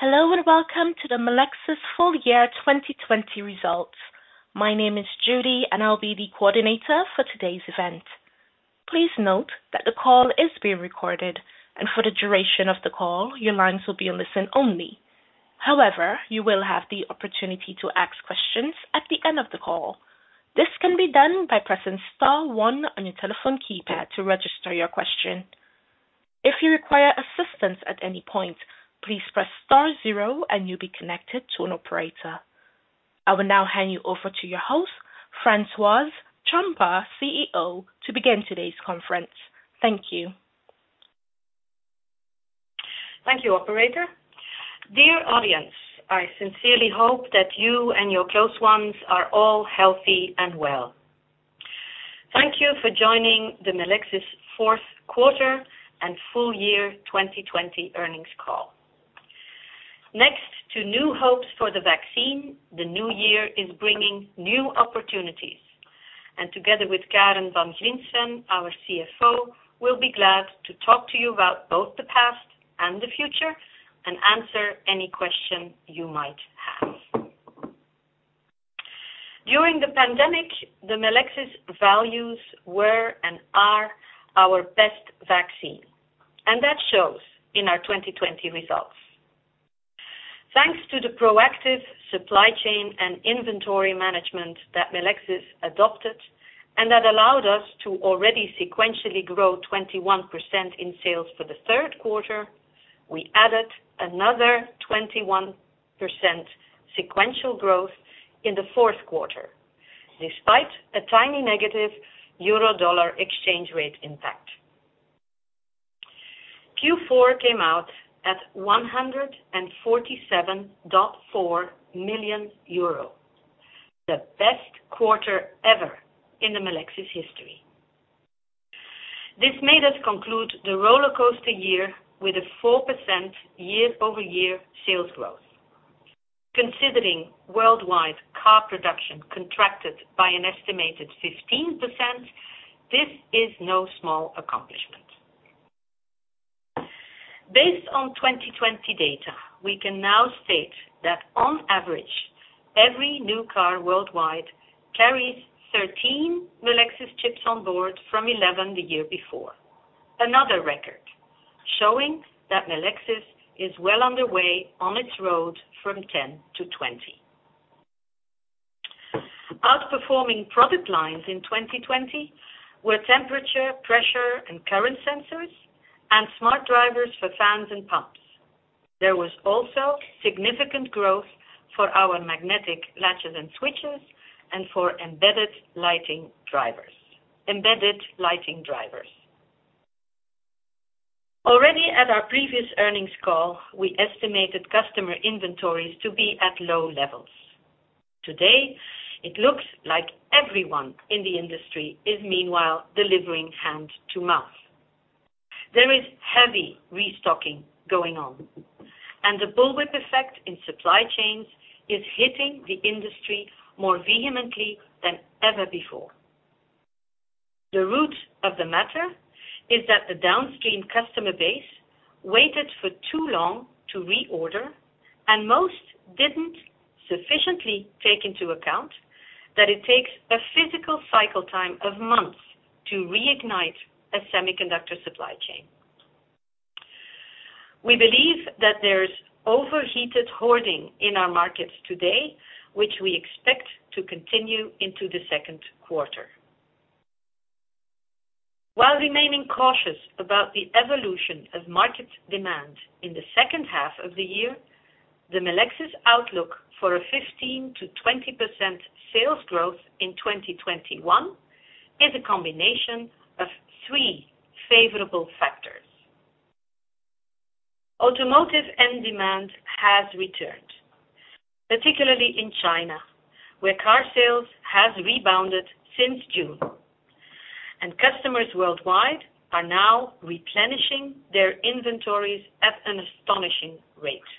Hello, and welcome to the Melexis full year 2020 results. My name is Judy, and I'll be the coordinator for today's event. Please note that the call is being recorded, and for the duration of the call, your lines will be on listen only. However, you will have the opportunity to ask questions at the end of the call. This can be done by pressing star one on your telephone keypad to register your question. If you require assistance at any point, please press star zero and you'll be connected to an operator. I will now hand you over to your host, Françoise Chombar, CEO, to begin today's conference. Thank you. Thank you, operator. Dear audience, I sincerely hope that you and your close ones are all healthy and well. Thank you for joining the Melexis fourth quarter and full year 2020 earnings call. Next to new hopes for the vaccine, the new year is bringing new opportunities, and together with Karen Van Griensven, our CFO, we'll be glad to talk to you about both the past and the future and answer any question you might have. During the pandemic, the Melexis values were and are our best vaccine, and that shows in our 2020 results. Thanks to the proactive supply chain and inventory management that Melexis adopted and that allowed us to already sequentially grow 21% in sales for the third quarter, we added another 21% sequential growth in the fourth quarter, despite a tiny negative euro/dollar exchange rate impact. Q4 came out at 147.4 million euro, the best quarter ever in the Melexis history. This made us conclude the rollercoaster year with a 4% year-over-year sales growth. Considering worldwide car production contracted by an estimated 15%, this is no small accomplishment. Based on 2020 data, we can now state that on average, every new car worldwide carries 13 Melexis chips on board from 11 the year before. Another record, showing that Melexis is well on the way on its road from 10-20. Outperforming product lines in 2020 were temperature, pressure, and current sensors and smart drivers for fans and pumps. There was also significant growth for our magnetic latches and switches and for embedded lighting drivers. Already at our previous earnings call, we estimated customer inventories to be at low levels. Today, it looks like everyone in the industry is meanwhile delivering hand to mouth. There is heavy restocking going on, and the bullwhip effect in supply chains is hitting the industry more vehemently than ever before. The root of the matter is that the downstream customer base waited for too long to reorder, and most didn't sufficiently take into account that it takes a physical cycle time of months to reignite a semiconductor supply chain. We believe that there's overheated hoarding in our markets today, which we expect to continue into the second quarter. While remaining cautious about the evolution of market demand in the second half of the year, the Melexis outlook for a 15%-20% sales growth in 2021 is a combination of three favorable factors. Automotive end demand has returned, particularly in China, where car sales has rebounded since June. Customers worldwide are now replenishing their inventories at an astonishing rate.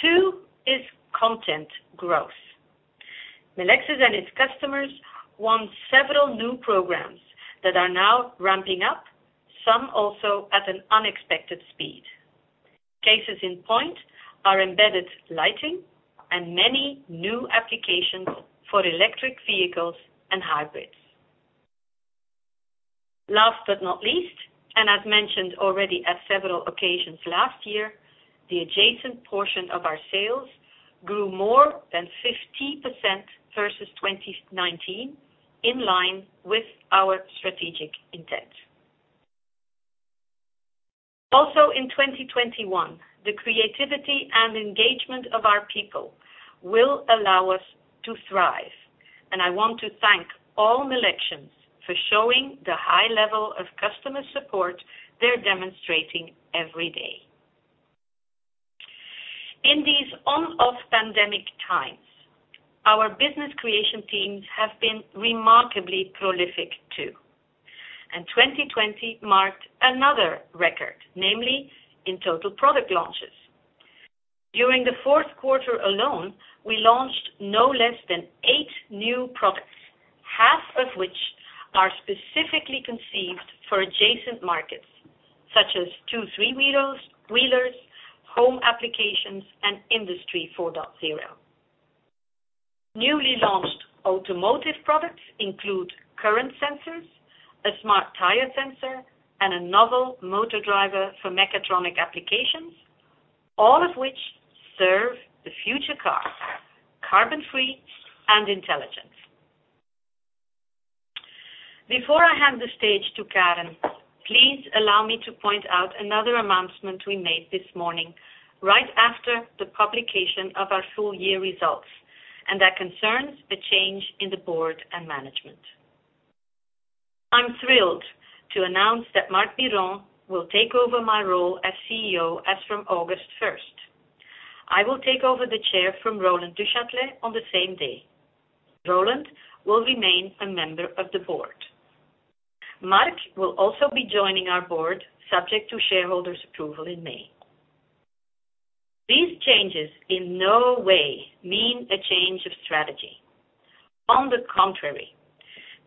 Two is content growth. Melexis and its customers won several new programs that are now ramping up, some also at an unexpected speed. Cases in point are embedded lighting and many new applications for electric vehicles and hybrids. Last but not least, and as mentioned already at several occasions last year, the adjacent portion of our sales grew more than 50% versus 2019, in line with our strategic intent. Also in 2021, the creativity and engagement of our people will allow us to thrive, and I want to thank all Melexians for showing the high level of customer support they're demonstrating every day. In these on/off pandemic times, our business creation teams have been remarkably prolific too. 2020 marked another record, namely in total product launches. During the fourth quarter alone, we launched no less than eight new products all of which are specifically conceived for adjacent markets, such as two/three wheelers, home applications, and Industry 4.0. Newly launched automotive products include current sensors, a smart tire sensor, and a novel motor driver for mechatronic applications, all of which serve the future car, carbon free and intelligent. Before I hand the stage to Karen, please allow me to point out another announcement we made this morning, right after the publication of our full year results, and that concerns the change in the board and management. I'm thrilled to announce that Marc Biron will take over my role as CEO as from August 1st. I will take over the chair from Roland Duchâtelet on the same day. Roland will remain a member of the board. Marc will also be joining our board, subject to shareholders' approval in May. These changes in no way mean a change of strategy. On the contrary,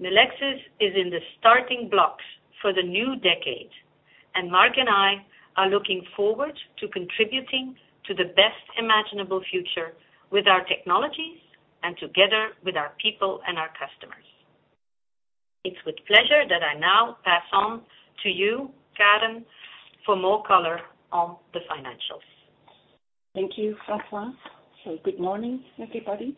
Melexis is in the starting blocks for the new decade, and Marc and I are looking forward to contributing to the best imaginable future with our technologies, and together with our people and our customers. It's with pleasure that I now pass on to you, Karen, for more color on the financials. Thank you, Françoise. Good morning, everybody.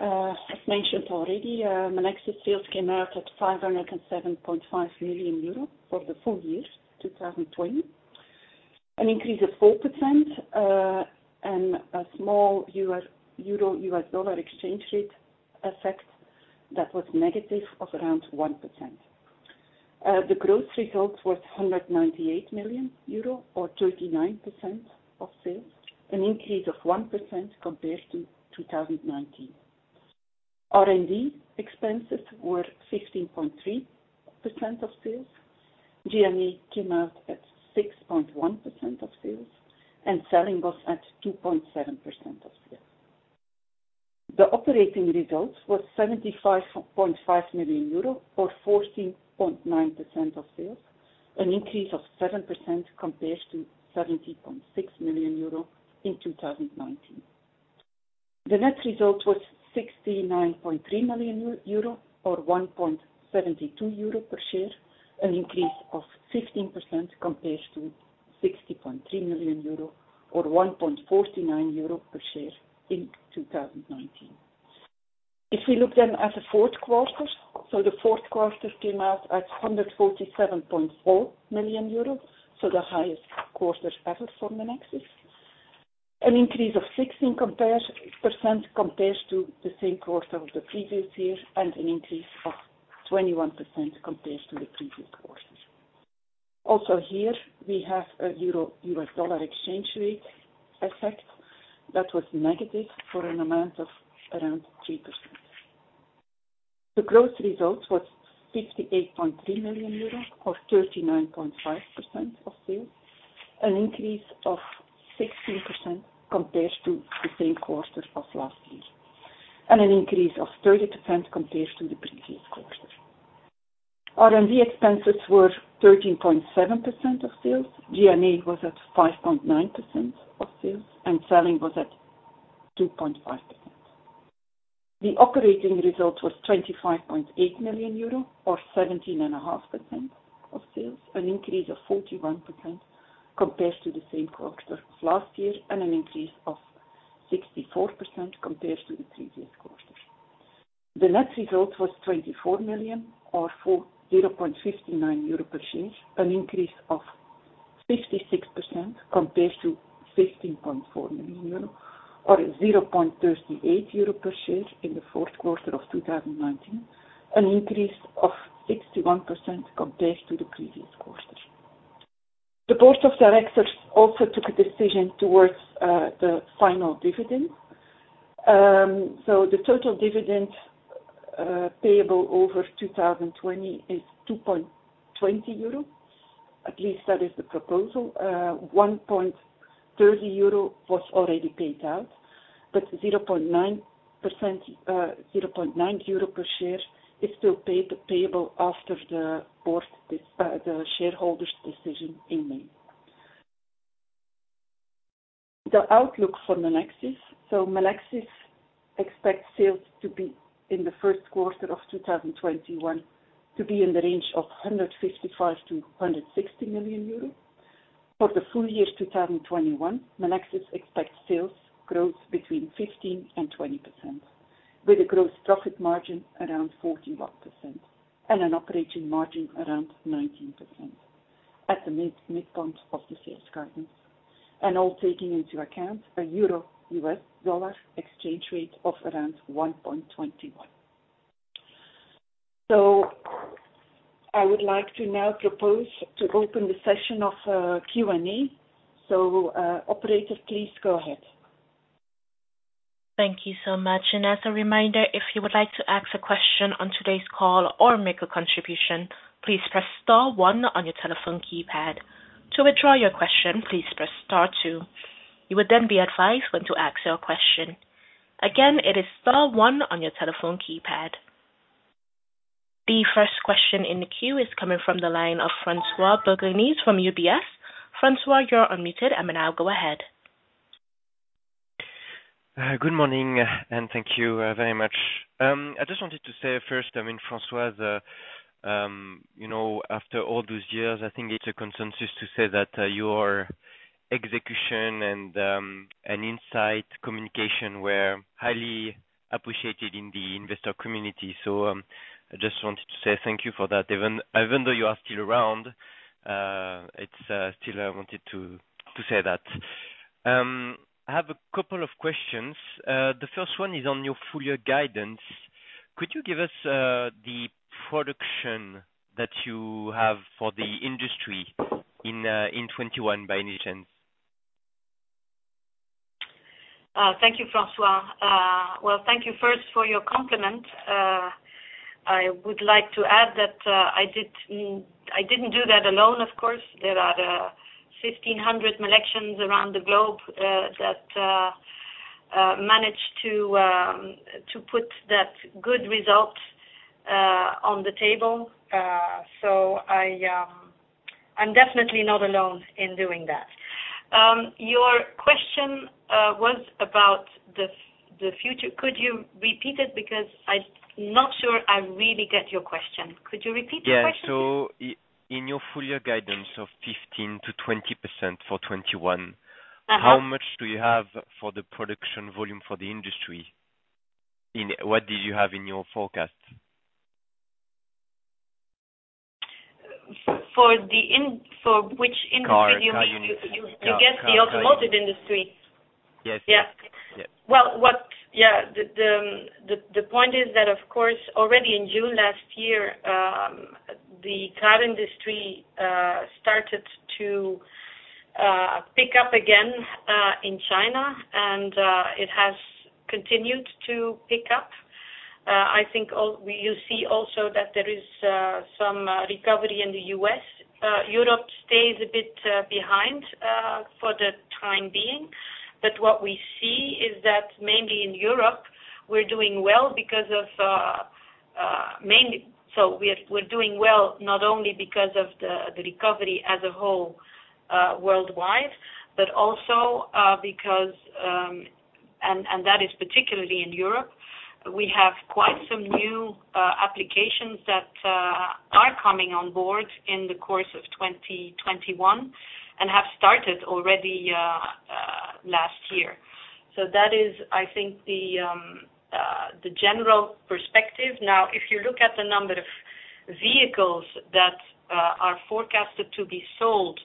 As mentioned already, Melexis sales came out at 507.5 million euro for the full year 2020, an increase of 4%, and a small euro U.S. dollar exchange rate effect that was negative of around 1%. The gross result was 198 million euro, or 39% of sales, an increase of 1% compared to 2019. R&D expenses were 15.3% of sales. G&A came out at 6.1% of sales, and selling was at 2.7% of sales. The operating result was 75.5 million euro, or 14.9% of sales, an increase of 7% compared to 70.6 million euro in 2019. The net result was 69.3 million euro, or 1.72 euro per share, an increase of 15% compared to 60.3 million euro or 1.49 euro per share in 2019. The fourth quarter came out at 147.4 million euros, the highest quarter ever for Melexis. An increase of 16% compared to the same quarter of the previous year, and an increase of 21% compared to the previous quarter. Also here, we have a EUR U.S. dollar exchange rate effect that was negative for an amount of around 3%. The gross result was 58.3 million euros, or 39.5% of sales, an increase of 16% compared to the same quarter of last year, and an increase of 30% compared to the previous quarter. R&D expenses were 13.7% of sales. G&A was at 5.9% of sales, and selling was at 2.5%. The operating result was 25.8 million euro, or 17.5% of sales, an increase of 41% compared to the same quarter of last year, an increase of 64% compared to the previous quarter. The net result was 24 million, or 0.59 euro per share, an increase of 56% compared to 15.4 million euro or 0.38 euro per share in the fourth quarter of 2019, an increase of 61% compared to the previous quarter. The board of directors also took a decision towards the final dividend. The total dividend payable over 2020 is 2.20 euro. At least that is the proposal. 1.30 euro was already paid out, 0.90 euro per share is still payable after the shareholders' decision in May. The outlook for Melexis. Melexis expects sales to be in the first quarter of 2021 to be in the range of 155 million-160 million euros. For the full year 2021, Melexis expects sales growth between 15% and 20%, with a gross profit margin around 41% and an operating margin around 19% at the midpoint of the sales guidance, and all taking into account a EUR U.S. dollar exchange rate of around 1.21. I would like to now propose to open the session of Q&A. Operator, please go ahead. Thank you so much. As a reminder, if you would like to ask a question on today's call or make a contribution, please press star one on your telephone keypad. To withdraw your question, please press star two. You would then be advised when to ask your question. Again, it is star one on your telephone keypad. The first question in the queue is coming from the line of François-Xavier Bouvignies from UBS. François, you are unmuted and now go ahead. Good morning, and thank you very much. I just wanted to say first, François, after all those years, I think it's a consensus to say that your execution and insight communication were highly appreciated in the investor community. I just wanted to say thank you for that. Even though you are still around, I still wanted to say that. I have a couple of questions. The first one is on your full year guidance. Could you give us the production that you have for the industry in 2021 by any chance? Thank you, François. Well, thank you first for your compliment. I would like to add that I didn't do that alone, of course. There are 1,500 Melexis around the globe that managed to put that good result on the table. I'm definitely not alone in doing that. Your question was about the future. Could you repeat it? I'm not sure I really get your question. Could you repeat the question, please? Yeah. in your full year guidance of 15%-20% for 2021- How much do you have for the production volume for the industry? What did you have in your forecast? For which industry do you mean? Car. You get the automotive industry? Yes. The point is that, of course, already in June last year, the car industry started to pick up again in China, and it has continued to pick up. I think you see also that there is some recovery in the U.S. Europe stays a bit behind for the time being. What we see is that mainly in Europe, we're doing well not only because of the recovery as a whole worldwide, but also because, and that is particularly in Europe, we have quite some new applications that are coming on board in the course of 2021 and have started already last year. That is, I think, the general perspective. If you look at the number of vehicles that are forecasted to be sold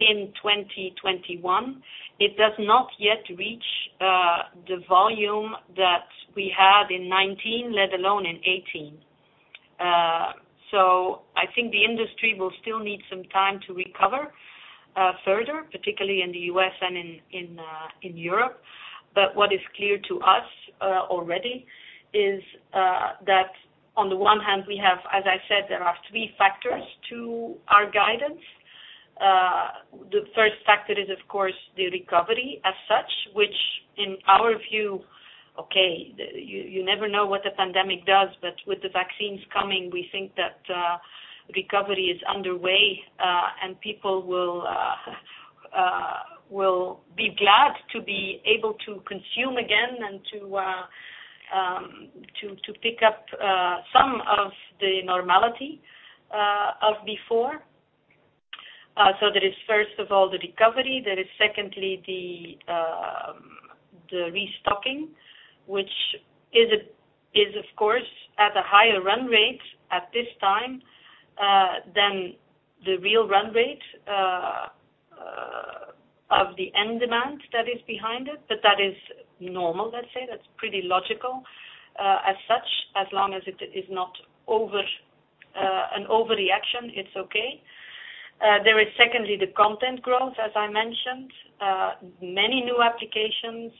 in 2021, it does not yet reach the volume that we had in 2019, let alone in 2018. I think the industry will sti ll need some time to recover further, particularly in the U.S. and in Europe. What is clear to us already is that on the one hand, we have, as I said, there are three factors to our guidance. The first factor is, of course, the recovery as such, which in our view, okay, you never know what the pandemic does, but with the vaccines coming, we think that recovery is underway, and people will be glad to be able to consume again and to pick up some of the normality of before. There is, first of all, the recovery. There is secondly, the restocking, which is of course, at a higher run rate at this time, than the real run rate of the end demand that is behind it. That is normal, let's say. That's pretty logical. As such, as long as it is not an overreaction, it's okay. There is secondly, the content growth, as I mentioned. Many new applications,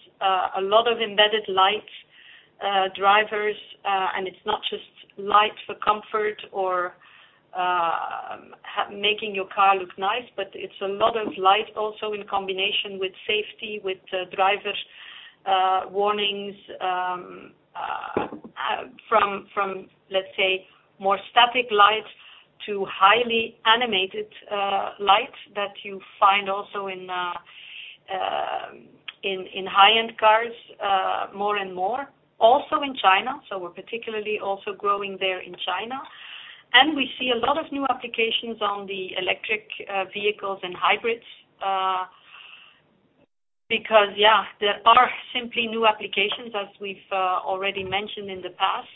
a lot of embedded lighting drivers, and it's not just light for comfort or making your car look nice, but it's a lot of light also in combination with safety, with drivers warnings from, let's say, more static light to highly animated light that you find also in high-end cars more and more, also in China. We're particularly also growing there in China. We see a lot of new applications on the electric vehicles and hybrids, because, yeah, there are simply new applications as we've already mentioned in the past,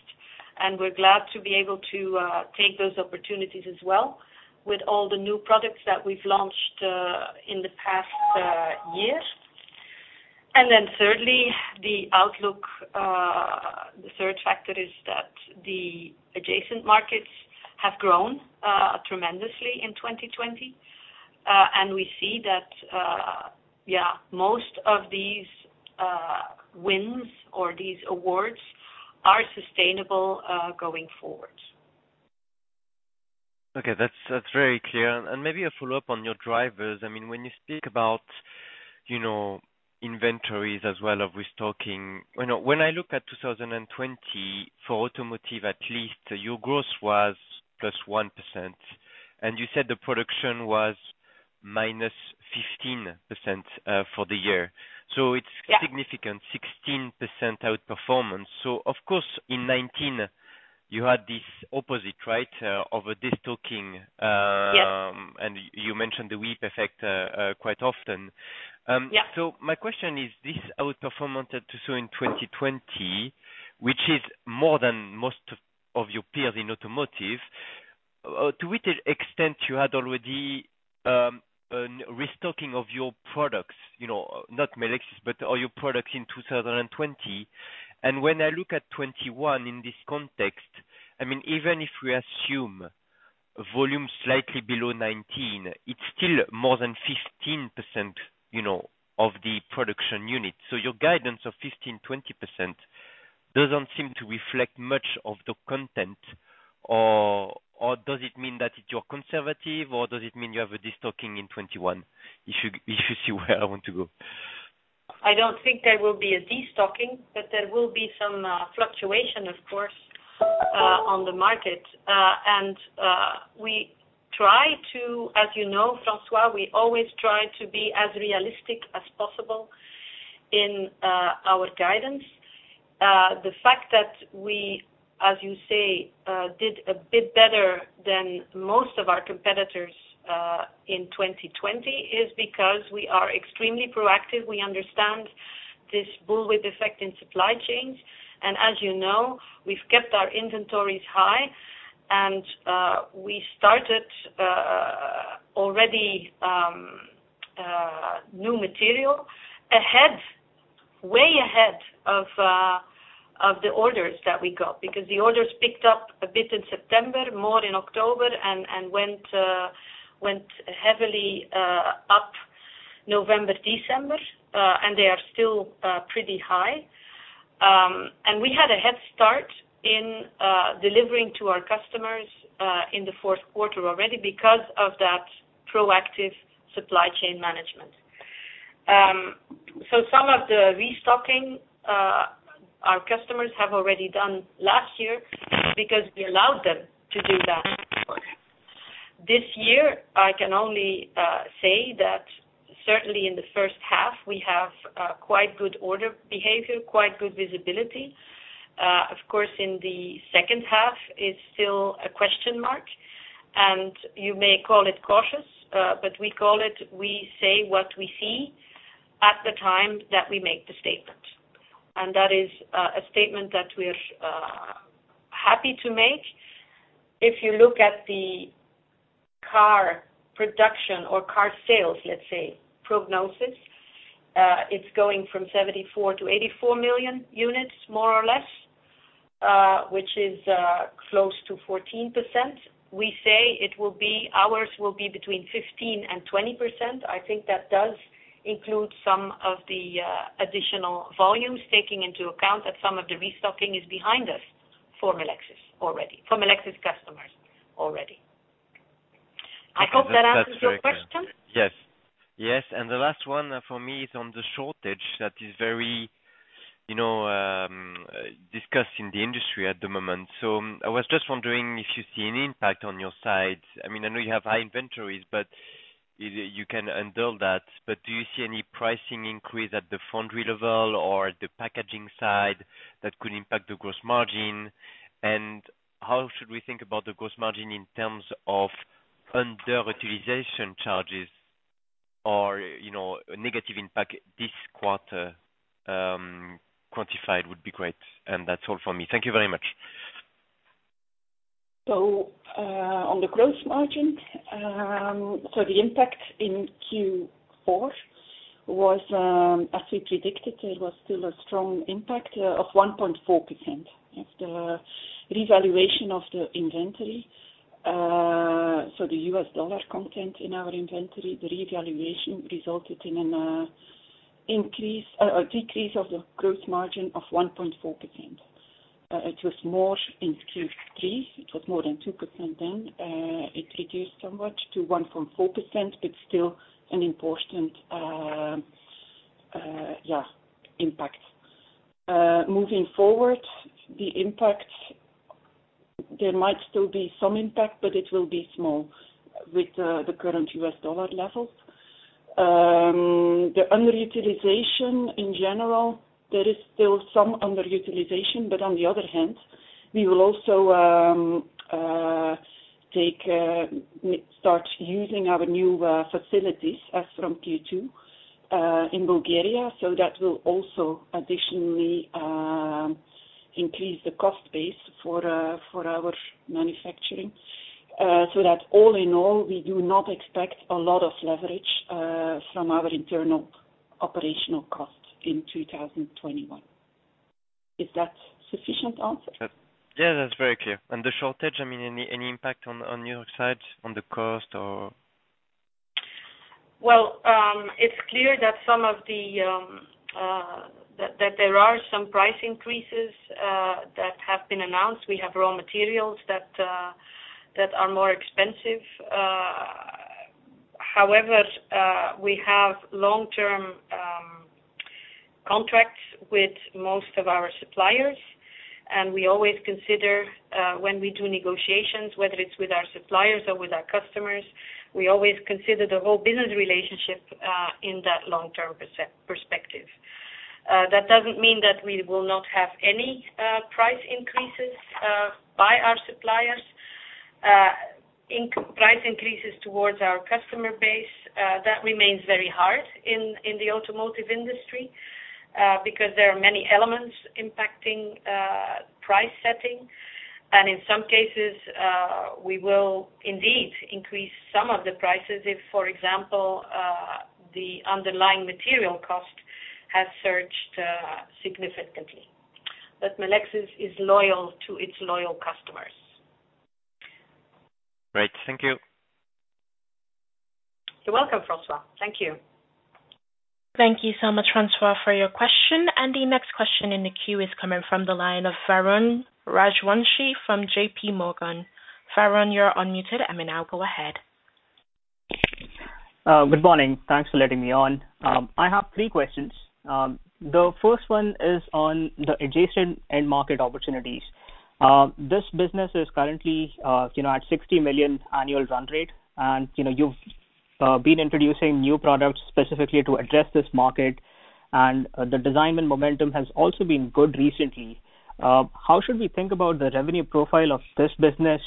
and we're glad to be able to take those opportunities as well with all the new products that we've launched in the past year. Thirdly, the outlook. The third factor is that the adjacent markets have grown tremendously in 2020. We see that most of these wins or these awards are sustainable going forward. Okay, that's very clear. Maybe a follow-up on your drivers. When you speak about inventories as well of restocking, when I look at 2020 for automotive, at least, your growth was +1%, and you said the production was -15% for the year. Yeah significant, 16% outperformance. Of course, in 2019, you had this opposite, of a destocking. Yes. You mentioned the whip effect quite often. Yeah. My question is, this outperformance that you show in 2020, which is more than most of your peers in automotive, to which extent you had already a restocking of your products, not Melexis, but all your products in 2020? When I look at 2021 in this context, even if we assume volume slightly below 2019, it's still more than 15% of the production units. Your guidance of 15%-20% doesn't seem to reflect much of the content, or does it mean that you're conservative, or does it mean you have a destocking in 2021? If you see where I want to go. I don't think there will be a destocking, there will be some fluctuation, of course, on the market. We try to, as you know, Francois, we always try to be as realistic as possible in our guidance. The fact that we, as you say, did a bit better than most of our competitors in 2020 is because we are extremely proactive. We understand this bullwhip effect in supply chains. As you know, we've kept our inventories high and we started already new material way ahead of the orders that we got because the orders picked up a bit in September, more in October and went heavily up November, December and they are still pretty high. We had a head start in delivering to our customers in the fourth quarter already because of that proactive supply chain management. Some of the restocking our customers have already done last year because we allowed them to do that. This year, I can only say that certainly in the first half, we have quite good order behavior, quite good visibility. Of course, in the second half is still a question mark, and you may call it cautious, but we say what we see at the time that we make the statement. That is a statement that we are happy to make. If you look at the car production or car sales, let's say, prognosis, it is going from 74 million-84 million units, more or less, which is close to 14%. We say ours will be between 15%-20%. I think that does include some of the additional volumes, taking into account that some of the restocking is behind us for Melexis customers already. I hope that answers your question. Yes. The last one for me is on the shortage that is very discussed in the industry at the moment. I was just wondering if you see any impact on your side. I know you have high inventories, you can handle that, but do you see any pricing increase at the foundry level or the packaging side that could impact the gross margin? How should we think about the gross margin in terms of underutilization charges or a negative impact this quarter? Quantified would be great. That's all for me. Thank you very much. On the gross margin, the impact in Q4 was, as we predicted, there was still a strong impact of 1.4% of the revaluation of the inventory. The U.S. dollar content in our inventory, the revaluation resulted in a decrease of the gross margin of 1.4%. It was more in Q3. It was more than 2% then. It reduced somewhat to 1.4%, still an important impact. Moving forward, there might still be some impact, but it will be small with the current U.S. dollar levels. The underutilization in general, there is still some underutilization, on the other hand, we will also start using our new facilities as from Q2 in Bulgaria, that will also additionally increase the cost base for our manufacturing. That all in all, we do not expect a lot of leverage from our internal operational costs in 2021. Is that sufficient answer? Yeah, that's very clear. The shortage, any impact on your side on the cost? Well, it's clear that there are some price increases that have been announced. We have raw materials that are more expensive. However, we have long-term contracts with most of our suppliers, and we always consider when we do negotiations, whether it's with our suppliers or with our customers, we always consider the whole business relationship in that long-term perspective. That doesn't mean that we will not have any price increases by our suppliers. Price increases towards our customer base, that remains very hard in the automotive industry because there are many elements impacting price setting. In some cases, we will indeed increase some of the prices if, for example, the underlying material cost has surged significantly. Melexis is loyal to its loyal customers. Great. Thank you. You're welcome, Francois. Thank you. Thank you so much, Francois, for your question. The next question in the queue is coming from the line of Varun Rajwanshi from JPMorgan. Varun, you're unmuted. You may now go ahead. Good morning. Thanks for letting me on. I have three questions. The first one is on the adjacent end market opportunities. This business is currently at 60 million annual run rate. You've been introducing new products specifically to address this market. The design win momentum has also been good recently. How should we think about the revenue profile of this business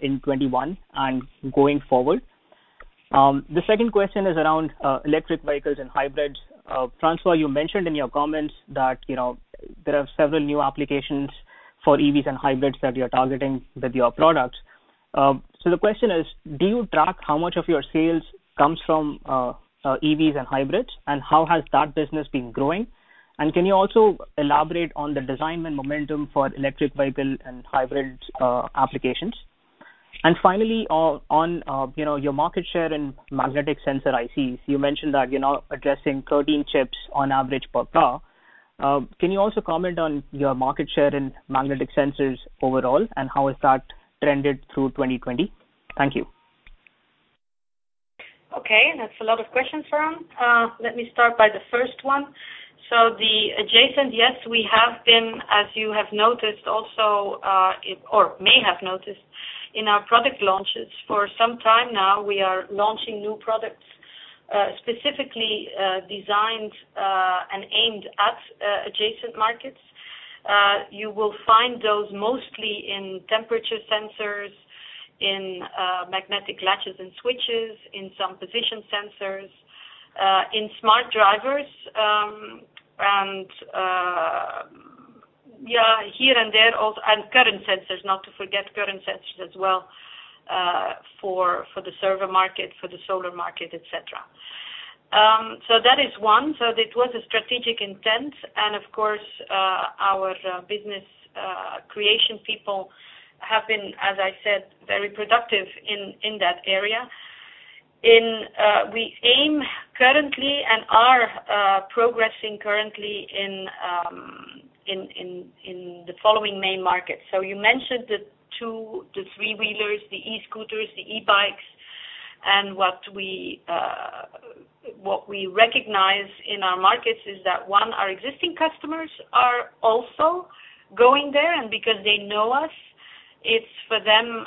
in 2021 and going forward? The second question is around electric vehicles and hybrids. François, you mentioned in your comments that there are several new applications for EVs and hybrids that you're targeting with your products. The question is, do you track how much of your sales comes from EVs and hybrids? How has that business been growing? Can you also elaborate on the design win momentum for electric vehicle and hybrid applications? Finally, on your market share and magnetic sensor ICs. You mentioned that you're now addressing 13 chips on average per car. Can you also comment on your market share in magnetic sensors overall, and how has that trended through 2020? Thank you. Okay, that's a lot of questions, Varun. Let me start by the first one. The adjacent, yes, we have been, as you have noticed also, or may have noticed in our product launches for some time now, we are launching new products specifically designed and aimed at adjacent markets. You will find those mostly in temperature sensors, in magnetic latches and switches, in some position sensors, in smart drivers, and current sensors, not to forget current sensors as well for the server market, for the solar market, et cetera. That is one. It was a strategic intent, and of course, our business creation people have been, as I said, very productive in that area. We aim currently and are progressing currently in the following main markets. You mentioned the three-wheelers, the e-scooters, the e-bikes. What we recognize in our markets is that, one, our existing customers are also going there, because they know us, it's for them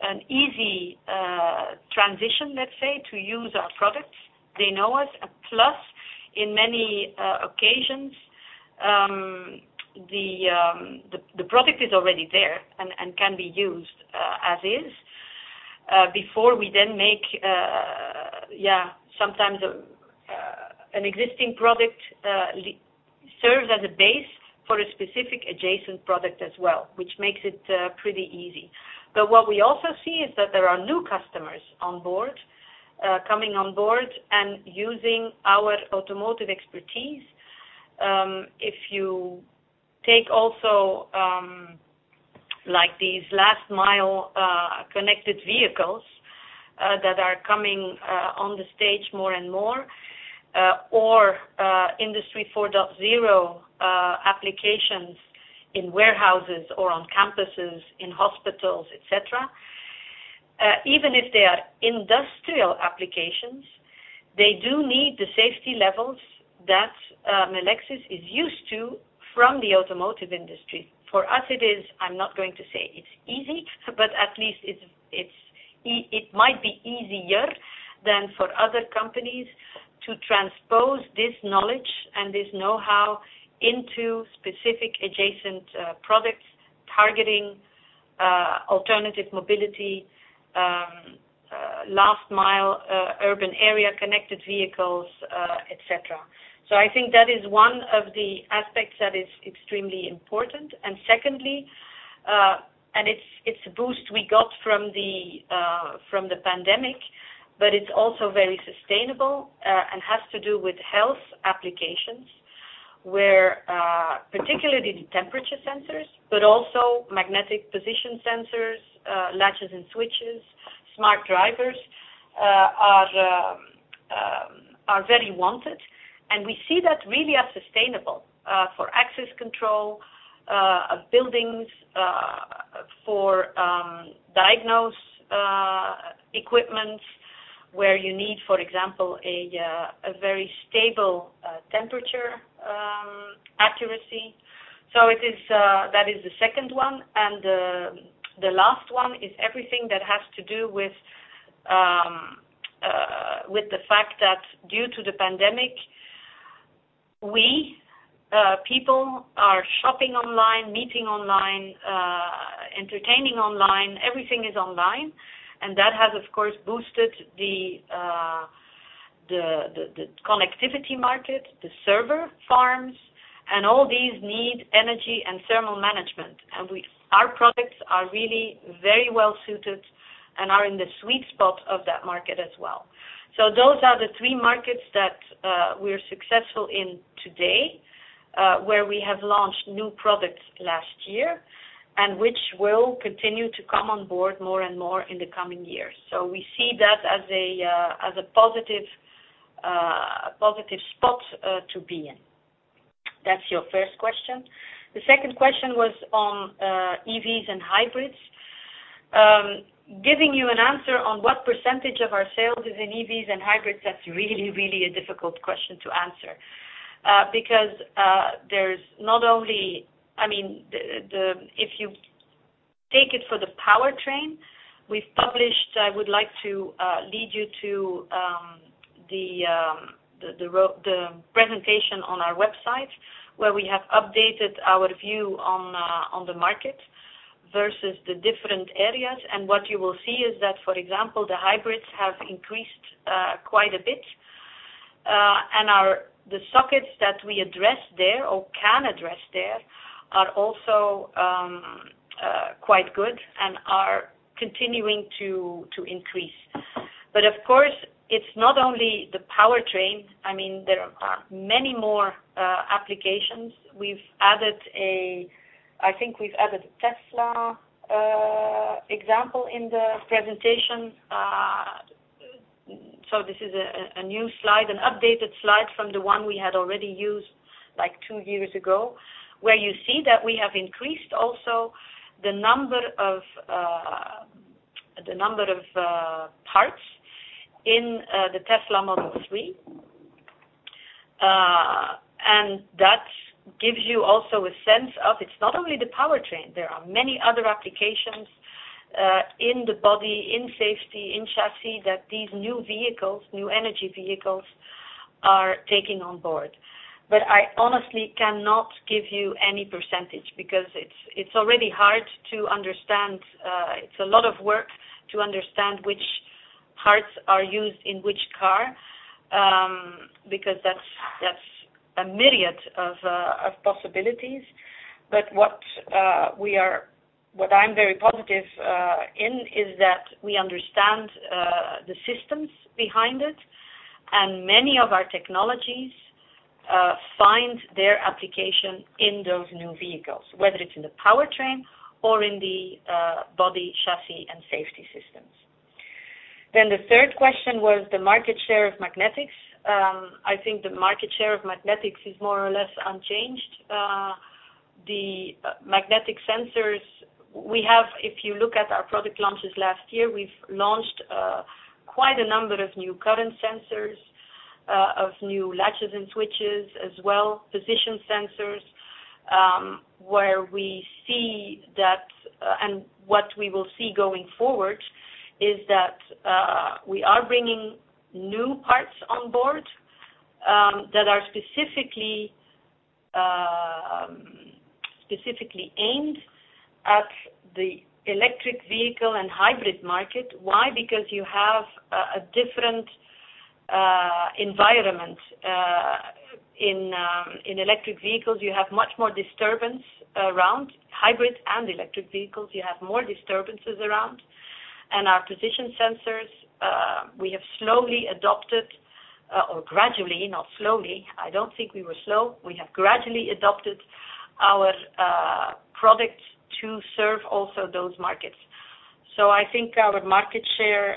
an easy transition, let's say, to use our products. They know us. Plus, in many occasions, the product is already there and can be used as is. Sometimes an existing product serves as a base for a specific adjacent product as well, which makes it pretty easy. What we also see is that there are new customers coming on board and using our automotive expertise. If you take also these last-mile connected vehicles that are coming on the stage more and more, or Industry 4.0 applications in warehouses or on campuses, in hospitals, et cetera. Even if they are industrial applications, they do need the safety levels that Melexis is used to from the automotive industry. For us, it is, I'm not going to say it's easy, but at least it might be easier than for other companies to transpose this knowledge and this know-how into specific adjacent products targeting alternative mobility, last-mile urban area connected vehicles, et cetera. I think that is one of the aspects that is extremely important. Secondly, it's a boost we got from the pandemic, but it's also very sustainable and has to do with health applications where particularly the temperature sensors, but also magnetic position sensors, latches and switches, smart drivers are very wanted. We see that really as sustainable for access control of buildings, for diagnosis equipment where you need, for example, a very stable temperature accuracy. That is the second one. The last one is everything that has to do with the fact that due to the pandemic, people are shopping online, meeting online, entertaining online, everything is online, and that has, of course, boosted the connectivity market, the server farms, and all these need energy and thermal management. Our products are really very well-suited and are in the sweet spot of that market as well. Those are the three markets that we're successful in today, where we have launched new products last year, and which will continue to come on board more and more in the coming years. We see that as a positive spot to be in. That's your first question. The second question was on EVs and hybrids. Giving you an answer on what percentage of our sales is in EVs and hybrids, that's really a difficult question to answer. If you take it for the powertrain, we've published, I would like to lead you to the presentation on our website where we have updated our view on the market versus the different areas. What you will see is that, for example, the hybrids have increased quite a bit. The sockets that we address there or can address there are also quite good and are continuing to increase. Of course, it's not only the powertrain. There are many more applications. I think we've added a Tesla example in the presentation. This is a new slide, an updated slide from the one we had already used two years ago, where you see that we have increased also the number of parts in the Tesla Model 3. That gives you also a sense of, it's not only the powertrain. There are many other applications in the body, in safety, in chassis that these new energy vehicles are taking on board. I honestly cannot give you any percentage because it's already hard to understand. It's a lot of work to understand which parts are used in which car, because that's a myriad of possibilities. What I'm very positive in is that we understand the systems behind it, and many of our technologies find their application in those new vehicles, whether it's in the powertrain or in the body, chassis, and safety systems. The third question was the market share of magnetics. I think the market share of magnetics is more or less unchanged. The magnetic sensors we have, if you look at our product launches last year, we've launched quite a number of new current sensors, of new magnetic latches and switches as well, position sensors, where we see that, and what we will see going forward is that we are bringing new parts on board that are specifically aimed at the electric vehicle and hybrid market. Why? Because you have a different environment. In electric vehicles, you have much more disturbance around. Hybrid and electric vehicles, you have more disturbances around. Our position sensors, we have slowly adopted, or gradually, not slowly. I don't think we were slow. We have gradually adopted our product to serve also those markets. I think our market share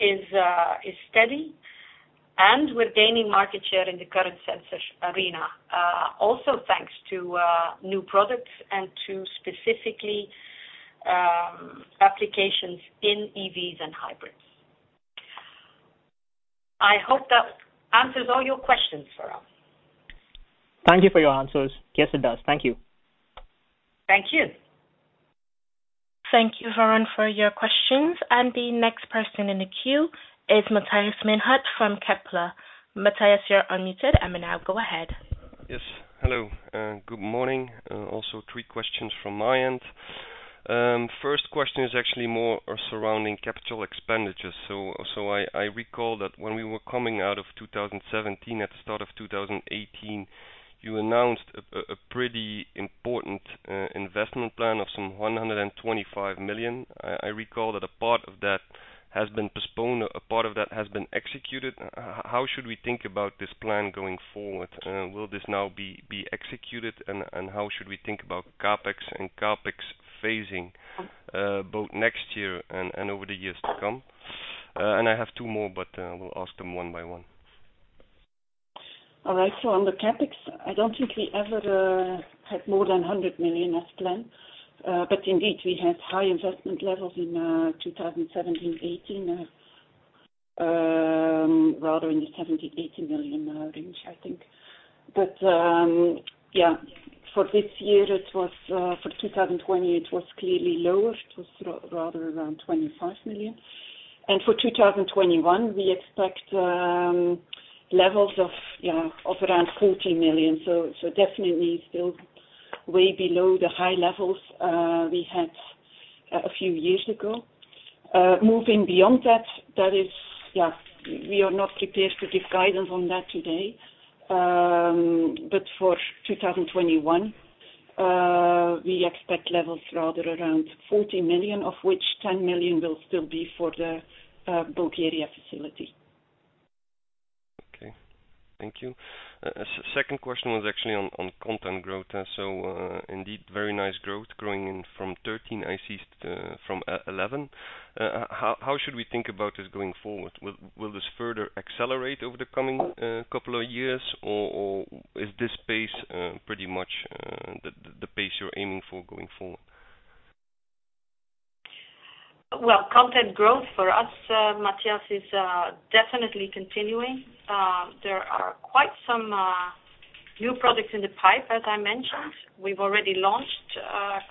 is steady, and we're gaining market share in the current sensor arena. Also thanks to new products and to specifically applications in EVs and hybrids. I hope that answers all your questions, Varun. Thank you for your answers. Yes, it does. Thank you. Thank you. Thank you, Varun, for your questions. The next person in the queue is Matthias Maenhaut from Kepler. Matthias, you're unmuted, now go ahead. Yes. Hello. Good morning. Also three questions from my end. First question is actually more surrounding capital expenditures. I recall that when we were coming out of 2017, at the start of 2018, you announced a pretty important investment plan of some 125 million. I recall that a part of that has been postponed. A part of that has been executed. How should we think about this plan going forward? Will this now be executed? How should we think about CapEx and CapEx phasing, both next year and over the years to come? I have two more, but we'll ask them one by one. All right. On the CapEx, I don't think we ever had more than 100 million as planned. Indeed, we had high investment levels in 2017, 2018, rather in the 70 million-80 million range, I think. For this year, for 2020, it was clearly lower. It was rather around 25 million. For 2021, we expect levels of around 40 million. Definitely still way below the high levels we had a few years ago. Moving beyond that, we are not prepared to give guidance on that today. For 2021, we expect levels rather around 40 million, of which 10 million will still be for the Bulgaria facility. Okay. Thank you. Second question was actually on content growth. Indeed, very nice growth, growing in from 13 ICs from 11. How should we think about this going forward? Will this further accelerate over the coming couple of years, or is this pace pretty much the pace you're aiming for going forward? Content growth for us, Matthias, is definitely continuing. There are quite some new products in the pipe, as I mentioned. We've already launched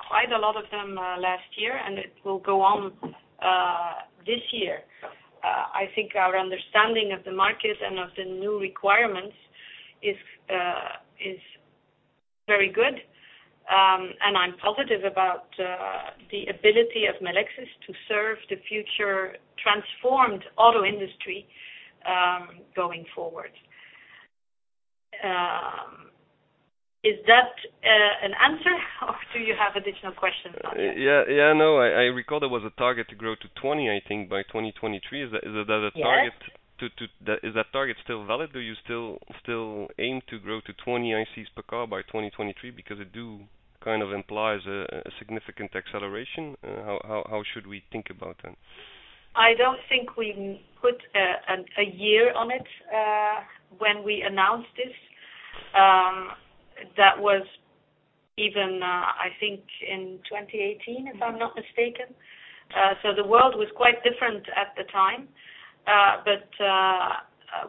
quite a lot of them last year, and it will go on this year. I think our understanding of the market and of the new requirements is very good, and I'm positive about the ability of Melexis to serve the future transformed auto industry going forward. Is that an answer, or do you have additional questions, Matthias? Yeah, no. I recall there was a target to grow to 20, I think, by 2023. Is that target still valid? Do you still aim to grow to 20 ICs per car by 2023? It does kind of implies a significant acceleration. How should we think about that? I don't think we put a year on it when we announced this. That was even, I think, in 2018, if I'm not mistaken. The world was quite different at the time.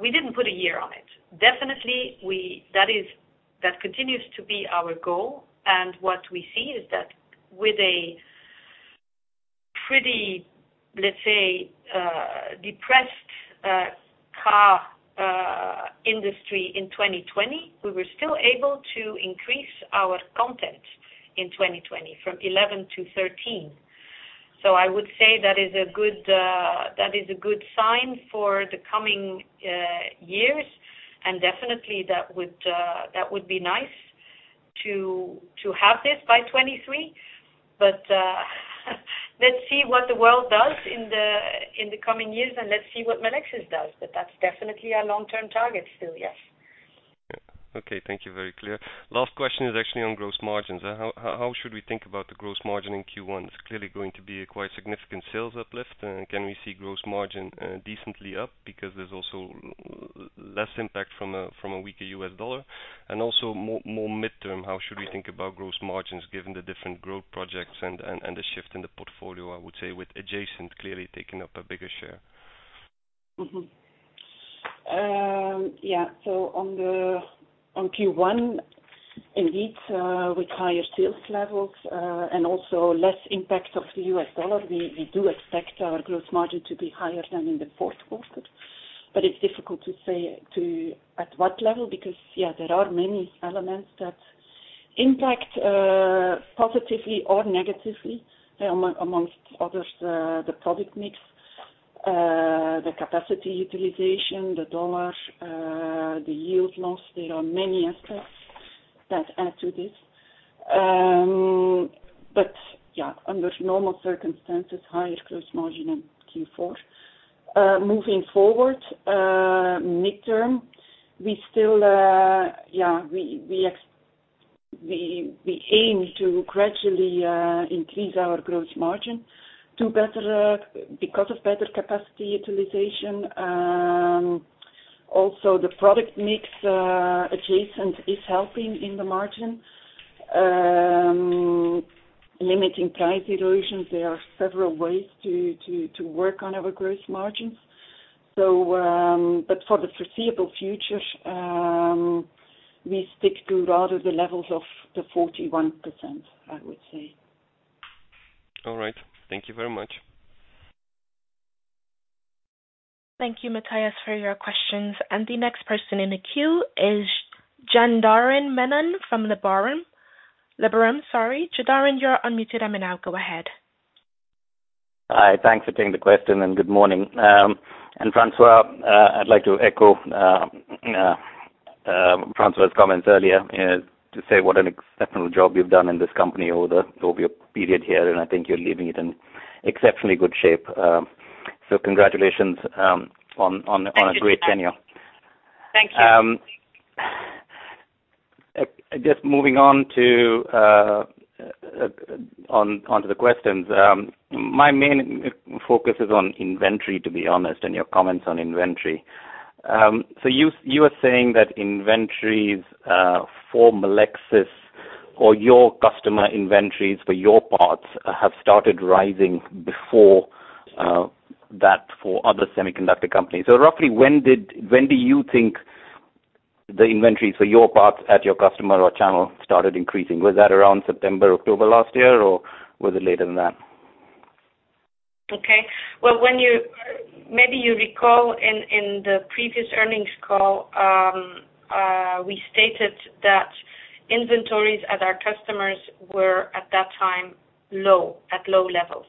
We didn't put a year on it. Definitely, that continues to be our goal, and what we see is that with a pretty, let's say, depressed car industry in 2020, we were still able to increase our content in 2020 from 11-13. I would say that is a good sign for the coming years, and definitely that would be nice to have this by 2023. Let's see what the world does in the coming years, and let's see what Melexis does. That's definitely a long-term target still, yes. Okay. Thank you. Very clear. Last question is actually on gross margins. How should we think about the gross margin in Q1? It's clearly going to be a quite significant sales uplift. Can we see gross margin decently up because there's also less impact from a weaker U.S. dollar? Also more midterm, how should we think about gross margins given the different growth projects and the shift in the portfolio, I would say, with adjacent clearly taking up a bigger share? Mm-hmm. Yeah. On Q1, indeed, with higher sales levels and also less impact of the U.S. dollar, we do expect our gross margin to be higher than in the fourth quarter. It's difficult to say at what level, because there are many elements that impact positively or negatively, among others, the product mix, the capacity utilization, the dollar, the yield loss. There are many aspects that add to this. Under normal circumstances, higher gross margin in Q4. Moving forward, midterm, we aim to gradually increase our gross margin because of better capacity utilization. The product mix adjacent is helping in the margin. Limiting price erosion, there are several ways to work on our gross margins. For the foreseeable future, we stick to rather the levels of the 41%, I would say. All right. Thank you very much. Thank you, Matthias, for your questions. The next person in the queue is Janardan Menon from Liberum. Janardan, you are unmuted and may now go ahead. Hi, thanks for taking the question. Good morning. Françoise, I'd like to echo François's comments earlier, to say what an exceptional job you've done in this company over your period here, and I think you're leaving it in exceptionally good shape. Congratulations. Thank you. on a great tenure. Thank you. Just moving on to the questions. My main focus is on inventory, to be honest, and your comments on inventory. You are saying that inventories for Melexis or your customer inventories for your parts have started rising before that for other semiconductor companies. Roughly when do you think the inventories for your parts at your customer or channel started increasing? Was that around September, October last year, or was it later than that? Okay. Well, maybe you recall in the previous earnings call, we stated that inventories at our customers were, at that time, low, at low levels.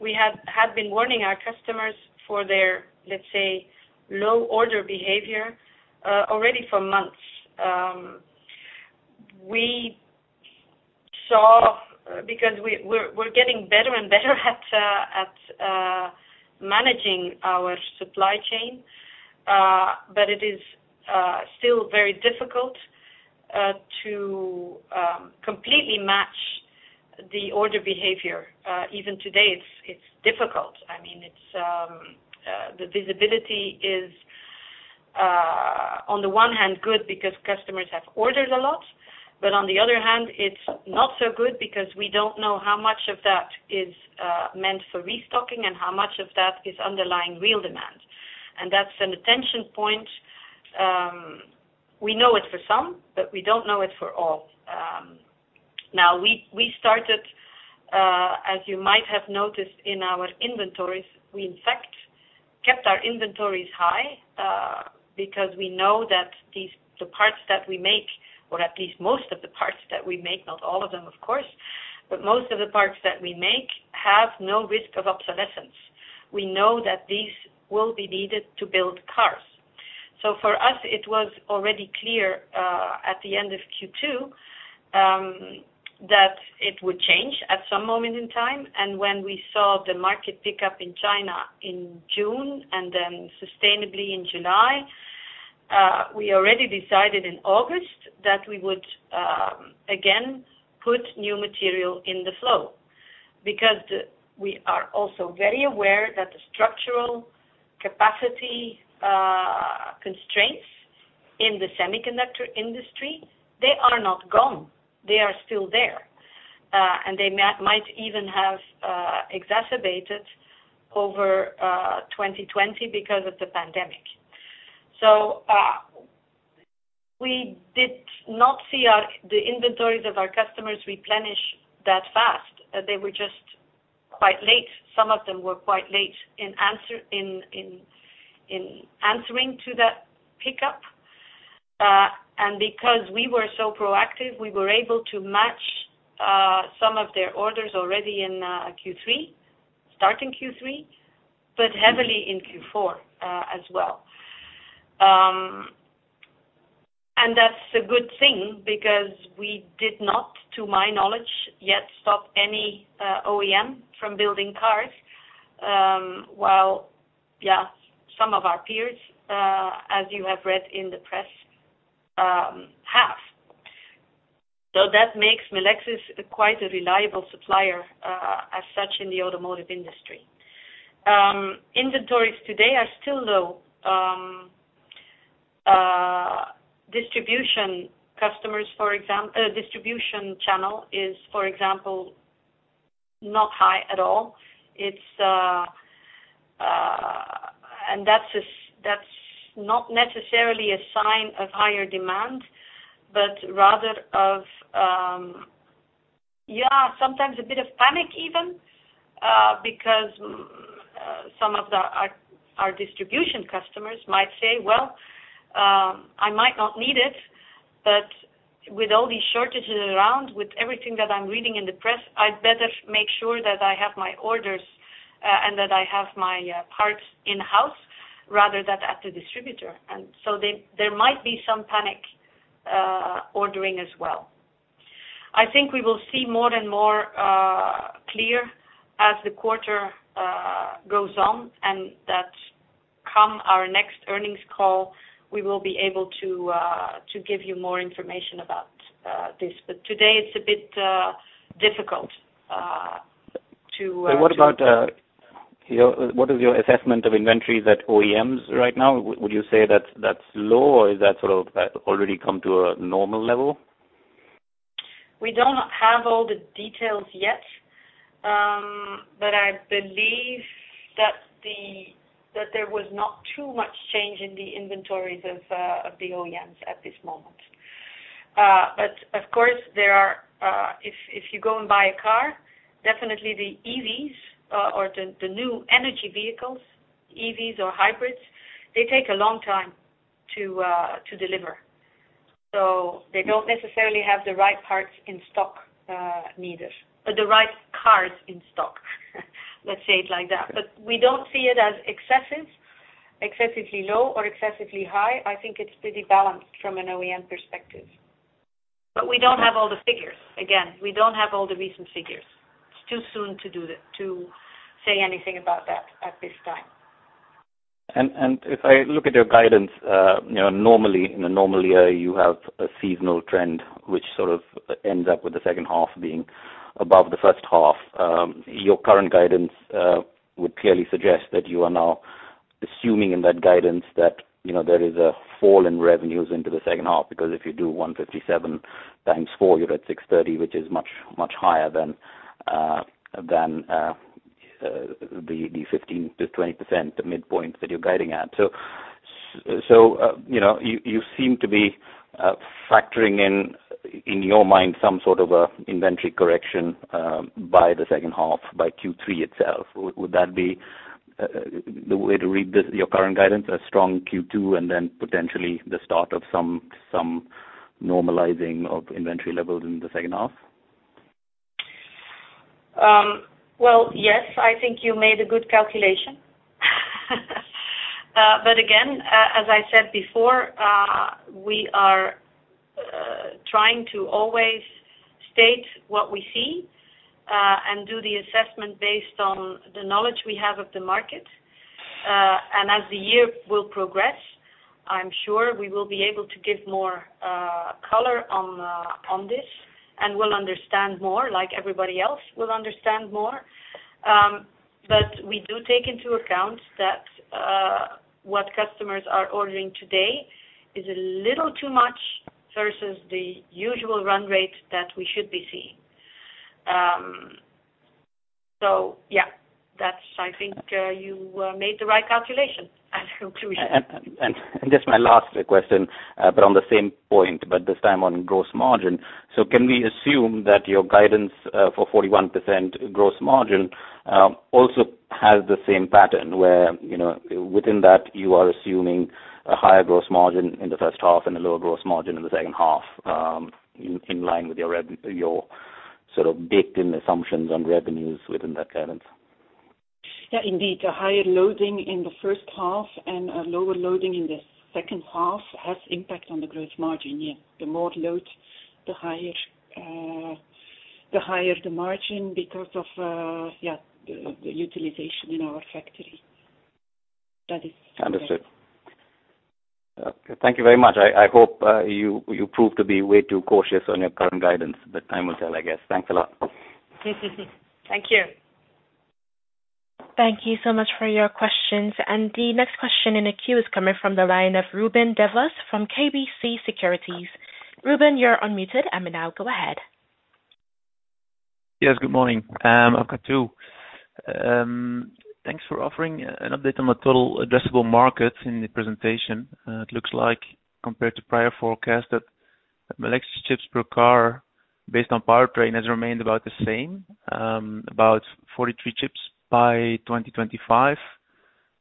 We had been warning our customers for their, let's say, low order behavior, already for months. We saw, because we're getting better and better at managing our supply chain, but it is still very difficult to completely match the order behavior. Even today, it's difficult. The visibility is, on the one hand, good because customers have ordered a lot, but on the other hand, it's not so good because we don't know how much of that is meant for restocking and how much of that is underlying real demand. That's an attention point. We know it for some, but we don't know it for all. We started, as you might have noticed in our inventories, we in fact kept our inventories high, because we know that the parts that we make, or at least most of the parts that we make, not all of them, of course, but most of the parts that we make have no risk of obsolescence. We know that these will be needed to build cars. For us, it was already clear, at the end of Q2, that it would change at some moment in time. When we saw the market pick up in China in June, and then sustainably in July, we already decided in August that we would, again, put new material in the flow. We are also very aware that the structural capacity constraints in the semiconductor industry, they are not gone. They are still there. They might even have exacerbated over 2020 because of the pandemic. We did not see the inventories of our customers replenish that fast. They were just quite late. Some of them were quite late in answering to that pickup. Because we were so proactive, we were able to match some of their orders already in Q3, starting Q3, but heavily in Q4 as well. That's a good thing because we did not, to my knowledge, yet stop any OEM from building cars, while, yeah, some of our peers, as you have read in the press, have. That makes Melexis quite a reliable supplier, as such, in the automotive industry. Inventories today are still low. Distribution channel is, for example, not high at all. That's not necessarily a sign of higher demand, but rather of, yeah, sometimes a bit of panic even, because some of our distribution customers might say, "Well, I might not need it, but with all these shortages around, with everything that I'm reading in the press, I better make sure that I have my orders, and that I have my parts in-house rather than at the distributor." There might be some panic ordering as well. I think we will see more and more clear as the quarter goes on, and that come our next earnings call, we will be able to give you more information about this. Today it's a bit difficult to. What is your assessment of inventories at OEMs right now? Would you say that's low, or is that sort of already come to a normal level? We don't have all the details yet. I believe that there was not too much change in the inventories of the OEMs at this moment. Of course, if you go and buy a car, definitely the EVs, or the new energy vehicles, EVs or hybrids, they take a long time to deliver. They don't necessarily have the right parts in stock, neither the right cars in stock. Let's say it like that. We don't see it as excessive, excessively low, or excessively high. I think it's pretty balanced from an OEM perspective. We don't have all the figures. Again, we don't have all the recent figures. It's too soon to say anything about that at this time. If I look at your guidance, normally in a normal year, you have a seasonal trend, which sort of ends up with the second half being above the first half. Your current guidance would clearly suggest that you are now assuming in that guidance that there is a fall in revenues into the second half, because if you do 157 times four, you're at 630, which is much, much higher than the 15%-20%, the midpoint that you're guiding at. You seem to be factoring in your mind, some sort of inventory correction by the second half by Q3 itself. Would that be the way to read your current guidance? A strong Q2 and then potentially the start of some normalizing of inventory levels in the second half? Well, yes, I think you made a good calculation. Again, as I said before, we are trying to always state what we see, and do the assessment based on the knowledge we have of the market. As the year will progress, I'm sure we will be able to give more color on this, and will understand more like everybody else will understand more. We do take into account that what customers are ordering today is a little too much versus the usual run rate that we should be seeing. Yeah. I think you made the right calculation and conclusion. Just my last question, but on the same point, but this time on gross margin. Can we assume that your guidance for 41% gross margin, also has the same pattern where within that you are assuming a higher gross margin in the first half and a lower gross margin in the second half, in line with your sort of baked-in assumptions on revenues within that guidance? Yeah, indeed. A higher loading in the first half and a lower loading in the second half has impact on the gross margin. Yeah. The more load, the higher the margin because of the utilization in our factory. That is correct. Understood. Thank you very much. I hope you prove to be way too cautious on your current guidance. Time will tell, I guess. Thanks a lot. Thank you. Thank you so much for your questions. The next question in the queue is coming from the line of Ruben Devos from KBC Securities. Ruben, you're unmuted and now go ahead. Yes, good morning. Welcome, too. Thanks for offering an update on the total addressable markets in the presentation. It looks like, compared to prior forecasts, that Melexis chips per car based on powertrain has remained about the same, about 43 chips by 2025.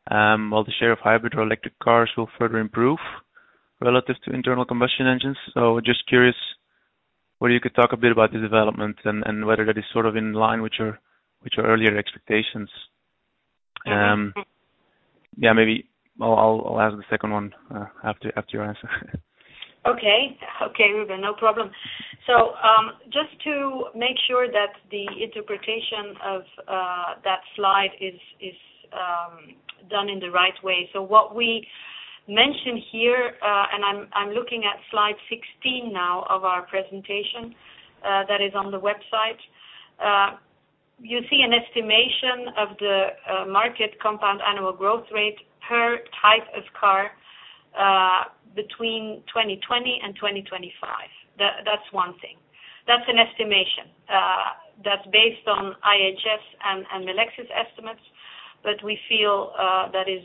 While the share of hybrid or electric cars will further improve relative to internal combustion engines. Just curious whether you could talk a bit about the development and whether that is sort of in line with your earlier expectations. Yeah, maybe I'll ask the second one after you answer. Okay. Ruben, no problem. Just to make sure that the interpretation of that slide is done in the right way. What we mentioned here, and I'm looking at slide 16 now of our presentation that is on the website. You see an estimation of the market compound annual growth rate per type of car, between 2020-2025. That's one thing. That's an estimation. That's based on IHS and Melexis estimates, but we feel that is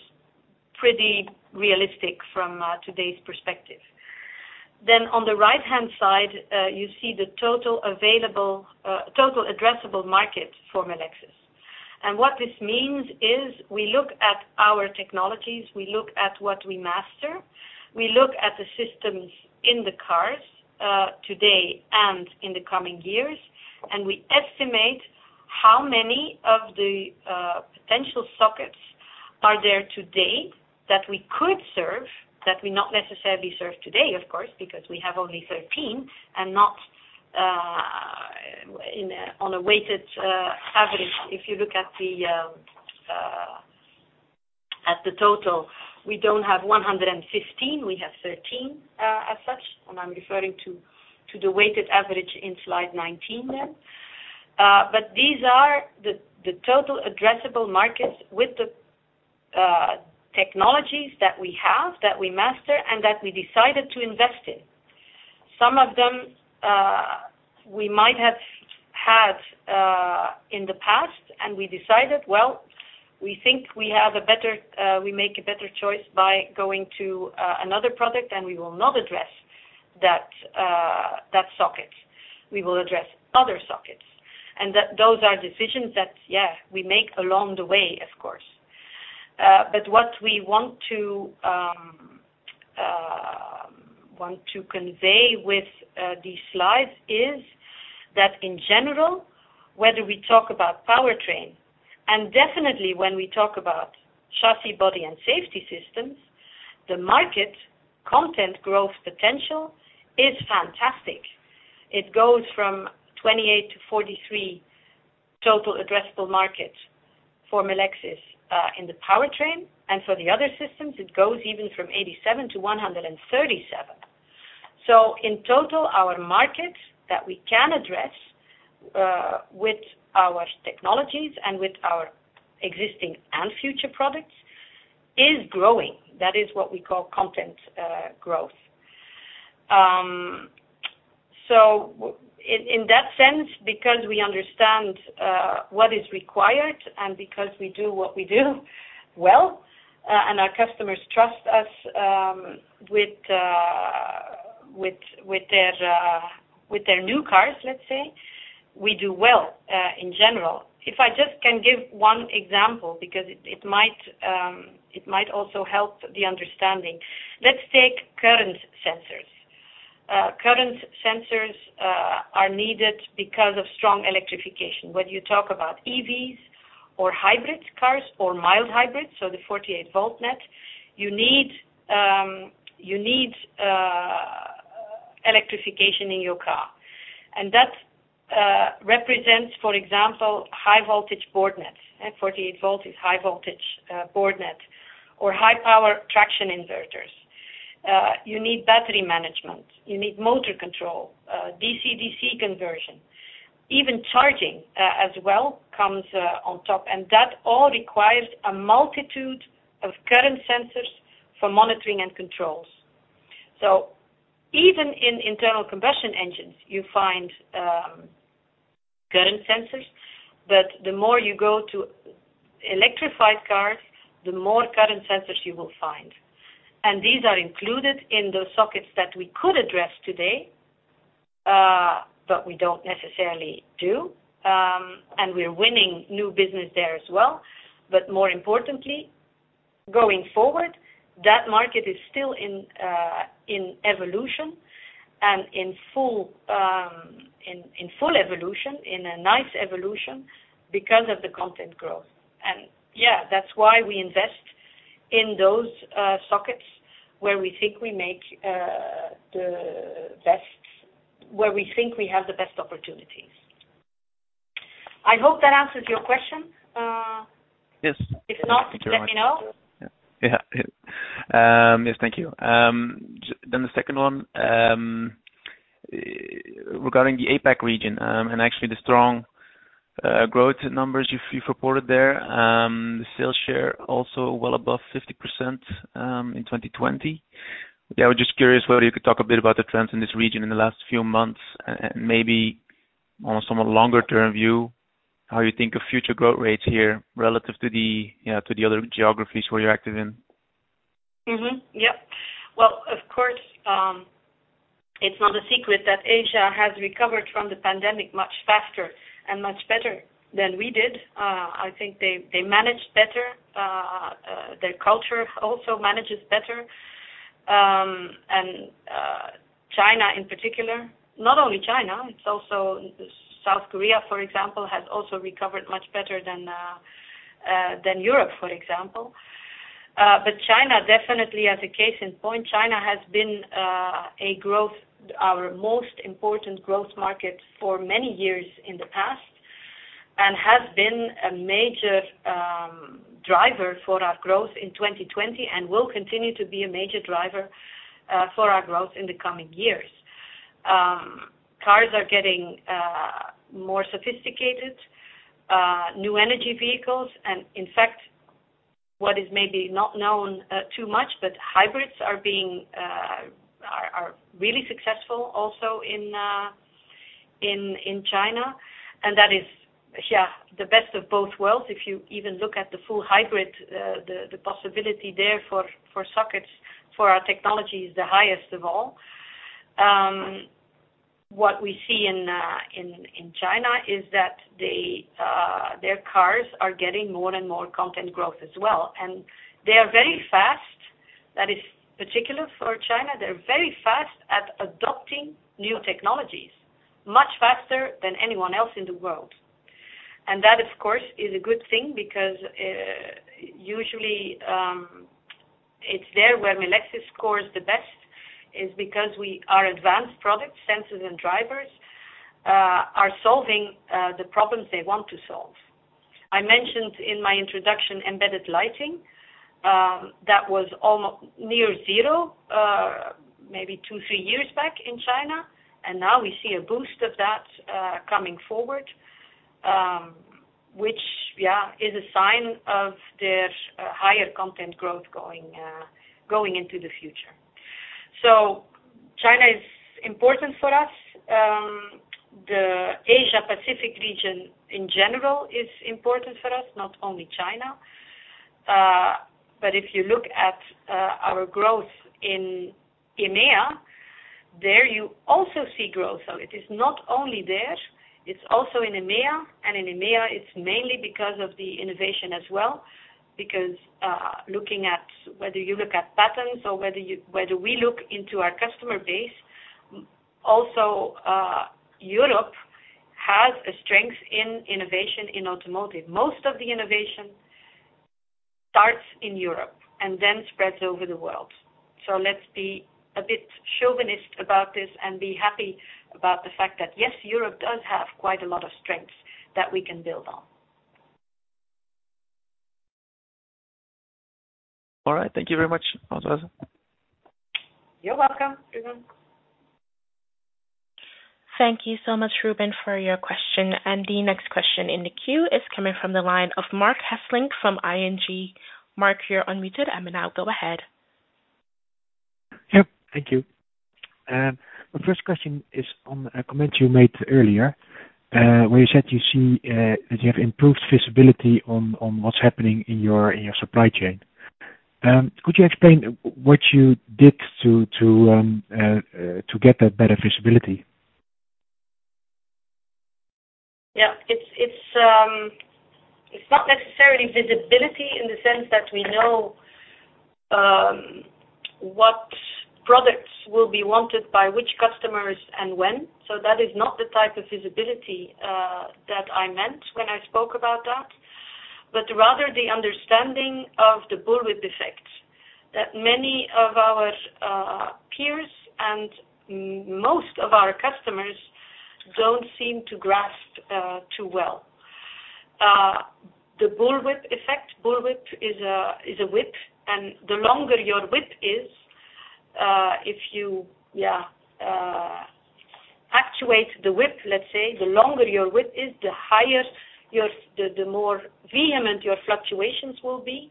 pretty realistic from today's perspective. On the right-hand side, you see the total addressable market for Melexis. What this means is we look at our technologies, we look at what we master, we look at the systems in the cars today and in the coming years, and we estimate how many of the potential sockets are there today that we could serve, that we not necessarily serve today, of course, because we have only 13 and not on a weighted average. If you look at the total, we don't have 115, we have 13 as such. I'm referring to the weighted average in slide 19 then. These are the total addressable markets with the technologies that we have, that we master, and that we decided to invest in. Some of them we might have had in the past, and we decided, well, we think we make a better choice by going to another product and we will not address that socket. We will address other sockets. Those are decisions that we make along the way, of course. What we want to convey with these slides is that in general, whether we talk about powertrain, and definitely when we talk about chassis, body, and safety systems, the market content growth potential is fantastic. It goes from 28-43 total addressable market for Melexis in the powertrain. For the other systems, it goes even from 87-137. In total, our market that we can address with our technologies and with our existing and future products is growing. That is what we call content growth. In that sense, because we understand what is required and because we do what we do well, and our customers trust us with their new cars, let's say, we do well in general. If I just can give one example because it might also help the understanding. Let's take current sensors. Current sensors are needed because of strong electrification. Whether you talk about EVs or hybrid cars or mild hybrids, so the 48-volt net, you need electrification in your car. That represents, for example, high-voltage board nets. 48-volt is high-voltage board net or high-power traction inverters. You need battery management. You need motor control, DC/DC conversion, even charging as well comes on top, and that all requires a multitude of current sensors for monitoring and controls. Even in internal combustion engines, you find current sensors, but the more you go to electrified cars, the more current sensors you will find. These are included in those sockets that we could address today, but we don't necessarily do, and we're winning new business there as well. More importantly, going forward, that market is still in evolution and in full evolution, in a nice evolution because of the content growth. Yeah, that's why we invest in those sockets where we think we have the best opportunities. I hope that answers your question. Yes. If not, just let me know. Yes, thank you. The second one, regarding the APAC region, and actually the strong growth numbers you've reported there. The sales share also well above 50% in 2020. I was just curious whether you could talk a bit about the trends in this region in the last few months, maybe on some longer-term view, how you think of future growth rates here relative to the other geographies where you're active in. Mm-hmm. Yep. Well, of course, it's not a secret that Asia has recovered from the pandemic much faster and much better than we did. I think they managed better. Their culture also manages better. China in particular, not only China, it's also South Korea, for example, has also recovered much better than Europe, for example. China definitely as a case in point, China has been our most important growth market for many years in the past and has been a major driver for our growth in 2020 and will continue to be a major driver for our growth in the coming years. Cars are getting more sophisticated, new energy vehicles, and in fact, what is maybe not known too much, but hybrids are really successful also in China, and that is, yeah, the best of both worlds. If you even look at the full hybrid, the possibility there for sockets for our technology is the highest of all. What we see in China is that their cars are getting more and more content growth as well, and they are very fast. That is particular for China. They're very fast at adopting new technologies, much faster than anyone else in the world. That, of course, is a good thing because usually it's there where Melexis scores the best is because our advanced product sensors and drivers are solving the problems they want to solve. I mentioned in my introduction embedded lighting, that was near zero maybe two, three years back in China, and now we see a boost of that coming forward, which, yeah, is a sign of their higher content growth going into the future. China is important for us. The Asia Pacific region in general is important for us, not only China. If you look at our growth in EMEA. There you also see growth. It is not only there, it's also in EMEA. In EMEA, it's mainly because of the innovation as well, because looking at whether you look at patterns or whether we look into our customer base, also Europe has a strength in innovation in automotive. Most of the innovation starts in Europe and then spreads over the world. Let's be a bit chauvinist about this and be happy about the fact that, yes, Europe does have quite a lot of strengths that we can build on. All right. Thank you very much, Francoise. You're welcome, Ruben. Thank you so much, Ruben, for your question. The next question in the queue is coming from the line of Marc Hesselink from ING. Marc, you're unmuted and now go ahead. Thank you. The first question is on a comment you made earlier, where you said you see that you have improved visibility on what's happening in your supply chain. Could you explain what you did to get that better visibility? Yeah. It's not necessarily visibility in the sense that we know what products will be wanted by which customers and when. That is not the type of visibility that I meant when I spoke about that, but rather the understanding of the bullwhip effect that many of our peers and most of our customers don't seem to grasp too well. The bullwhip effect, bullwhip is a whip, and the longer your whip is, if you actuate the whip, let's say, the longer your whip is, the more vehement your fluctuations will be.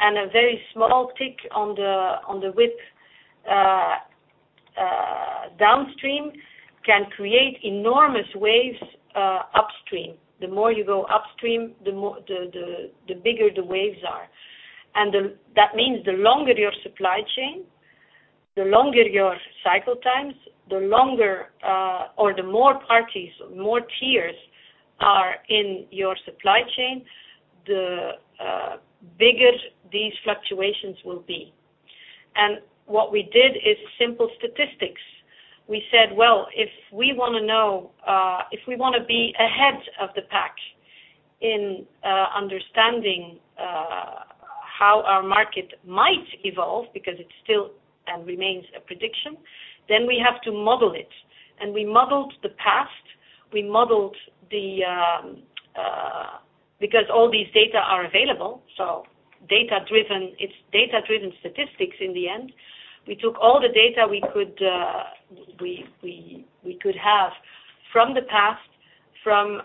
A very small tick on the whip downstream can create enormous waves upstream. The more you go upstream, the bigger the waves are. That means the longer your supply chain, the longer your cycle times, the longer or the more parties, more tiers are in your supply chain, the bigger these fluctuations will be. What we did is simple statistics. We said, well, if we want to be ahead of the pack in understanding how our market might evolve, because it's still and remains a prediction, then we have to model it. We modeled the past. Because all these data are available, so it's data-driven statistics in the end. We took all the data we could have from the past, from,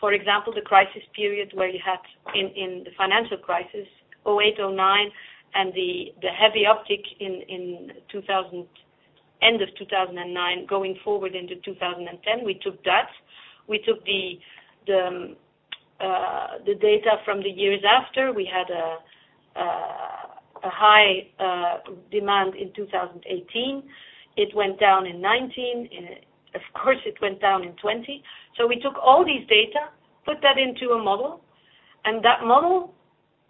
for example, the crisis period where you had in the financial crisis 2008, 2009, and the heavy uptick end of 2009, going forward into 2010, we took that. We took the data from the years after. We had a high demand in 2018. It went down in 2019. Of course, it went down in 2020. We took all these data, put that into a model, and that model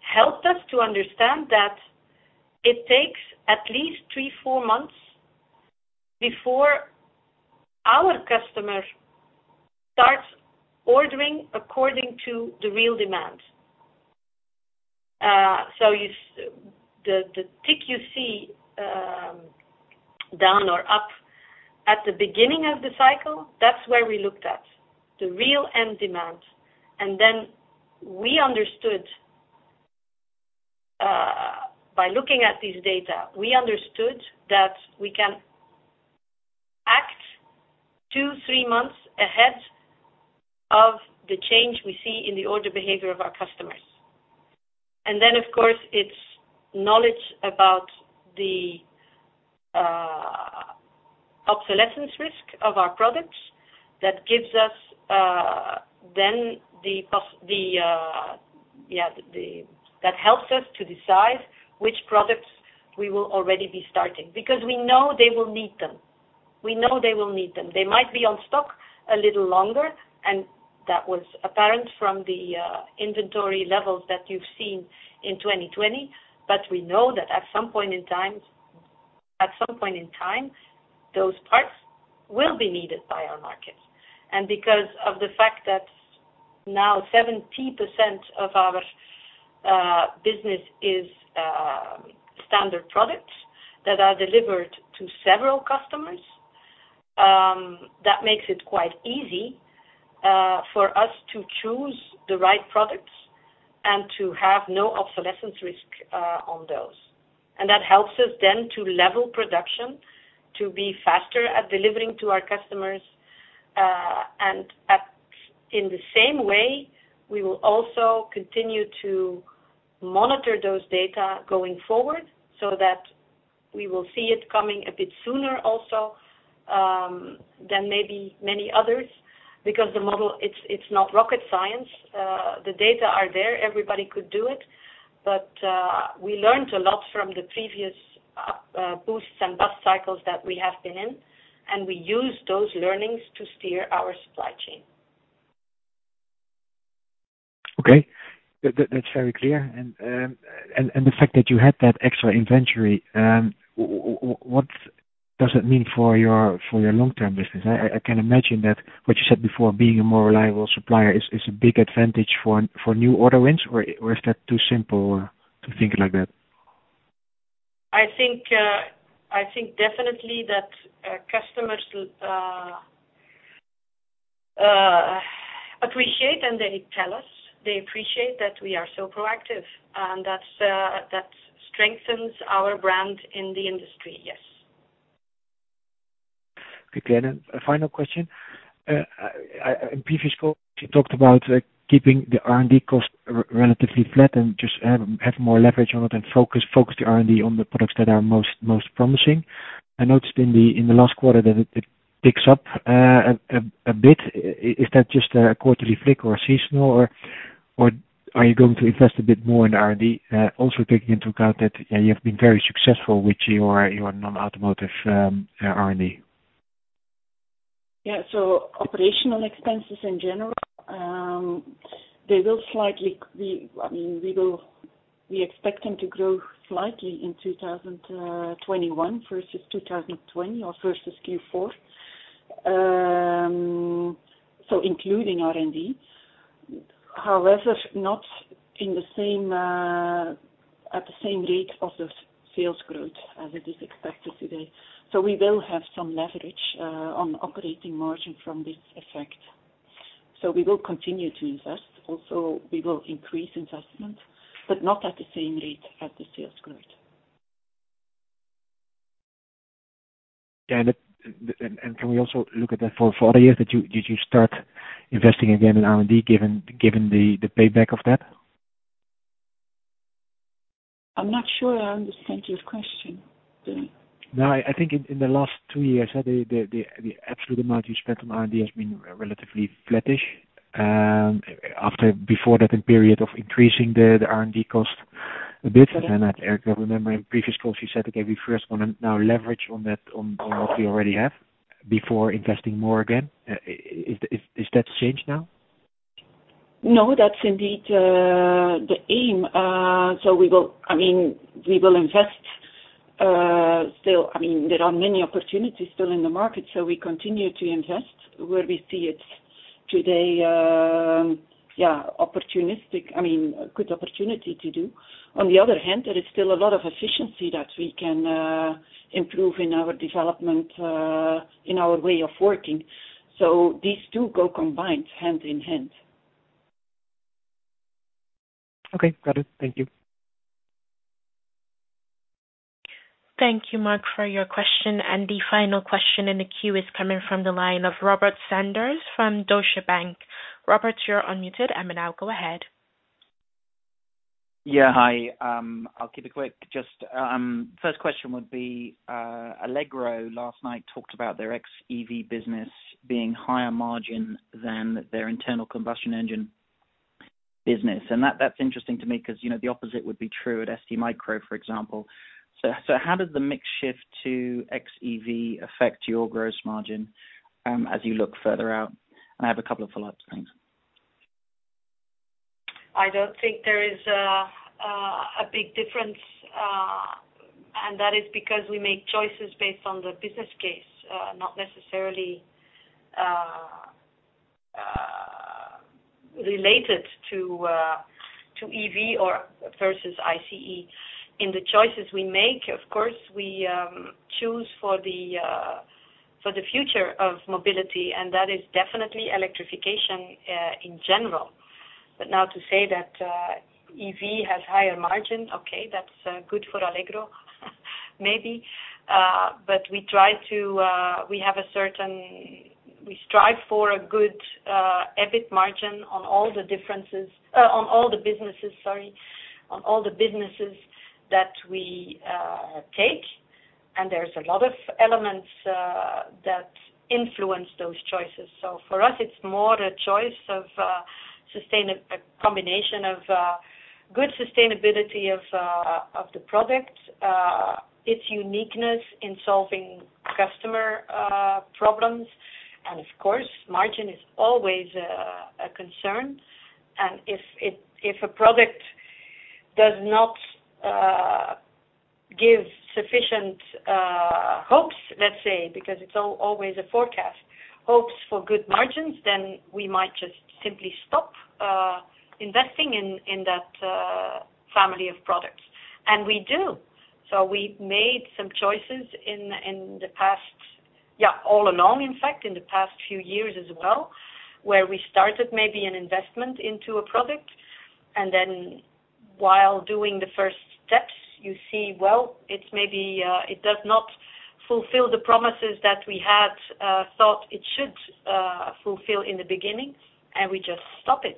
helped us to understand that it takes at least three, four months before our customer starts ordering according to the real demand. The tick you see down or up at the beginning of the cycle, that's where we looked at the real end demand. By looking at this data, we understood that we can act two, three months ahead of the change we see in the order behavior of our customers. Of course, it's knowledge about the obsolescence risk of our products that gives us then that helps us to decide which products we will already be starting, because we know they will need them. They might be on stock a little longer, and that was apparent from the inventory levels that you've seen in 2020. We know that at some point in time, those parts will be needed by our markets. Because of the fact that now 70% of our business is standard products that are delivered to several customers, that makes it quite easy for us to choose the right products and to have no obsolescence risk on those. That helps us then to level production, to be faster at delivering to our customers, and in the same way, we will also continue to monitor those data going forward so that we will see it coming a bit sooner than maybe many others, because the model, it's not rocket science. The data are there, everybody could do it. We learned a lot from the previous boosts and bust cycles that we have been in, and we use those learnings to steer our supply chain. Okay. That is very clear. The fact that you had that extra inventory, what does it mean for your long-term business? I can imagine that what you said before, being a more reliable supplier is a big advantage for new order wins, or is that too simple to think like that? I think definitely that customers do appreciate. They tell us they appreciate that we are so proactive. That strengthens our brand in the industry. Yes. Okay. A final question. In previous calls, you talked about keeping the R&D cost relatively flat and just have more leverage on it and focus the R&D on the products that are most promising. I noticed in the last quarter that it picks up a bit. Is that just a quarterly flick or seasonal, or are you going to invest a bit more in R&D, also taking into account that you have been very successful with your non-automotive R&D? Operational expenses in general, we expect them to grow slightly in 2021 versus 2020 or versus Q4. Including R&D, however, not at the same rate of the sales growth as it is expected today. We will have some leverage on operating margin from this effect. We will continue to invest. Also, we will increase investment, but not at the same rate as the sales growth. Can we also look at that for other years that you start investing again in R&D, given the payback of that? I'm not sure I understand your question. No, I think in the last two years, the absolute amount you spent on R&D has been relatively flattish. Before that, a period of increasing the R&D cost a bit. Karen, remember in previous calls, you said, okay, we first want to now leverage on what we already have before investing more again. Is that changed now? No, that's indeed the aim. We will invest still. There are many opportunities still in the market, so we continue to invest where we see it today, opportunistic, good opportunity to do. On the other hand, there is still a lot of efficiency that we can improve in our development, in our way of working. These two go combined hand in hand. Okay, got it. Thank you. Thank you, Marc, for your question. The final question in the queue is coming from the line of Robert Sanders from Deutsche Bank. Robert, you're unmuted and now go ahead. Yeah. Hi. I'll keep it quick. First question would be, Allegro last night talked about their xEV business being higher margin than their internal combustion engine business. That's interesting to me because the opposite would be true at STMicro, for example. How does the mix shift to xEV affect your gross margin as you look further out? I have a couple of follow-ups. Thanks. I don't think there is a big difference. That is because we make choices based on the business case, not necessarily related to EV or versus ICE. In the choices we make, of course, we choose for the future of mobility. That is definitely electrification in general. Now to say that EV has higher margin, okay, that's good for Allegro, maybe. We strive for a good EBIT margin on all the businesses that we take. There's a lot of elements that influence those choices. For us, it's more the choice of a combination of good sustainability of the product, its uniqueness in solving customer problems. Of course, margin is always a concern. If a product does not give sufficient hopes, let's say, because it's always a forecast, hopes for good margins, then we might just simply stop investing in that family of products. We do. We've made some choices in the past, all along, in fact, in the past few years as well, where we started maybe an investment into a product, and then while doing the first steps, you see, well, it does not fulfill the promises that we had thought it should fulfill in the beginning, and we just stop it.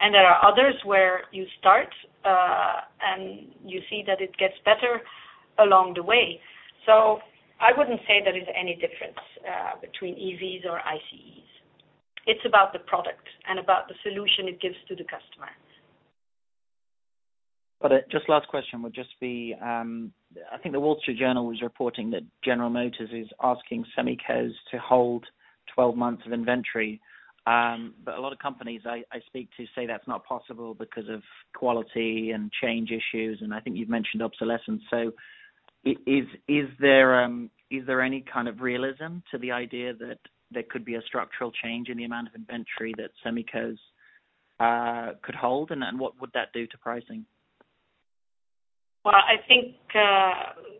There are others where you start, and you see that it gets better along the way. I wouldn't say there is any difference between EVs or ICEs. It's about the product and about the solution it gives to the customer. Last question would be, I think the Wall Street Journal was reporting that General Motors is asking semi cos to hold 12 months of inventory. A lot of companies I speak to say that's not possible because of quality and change issues, and I think you've mentioned obsolescence. Is there any kind of realism to the idea that there could be a structural change in the amount of inventory that semi cos could hold, and what would that do to pricing? Well, I think,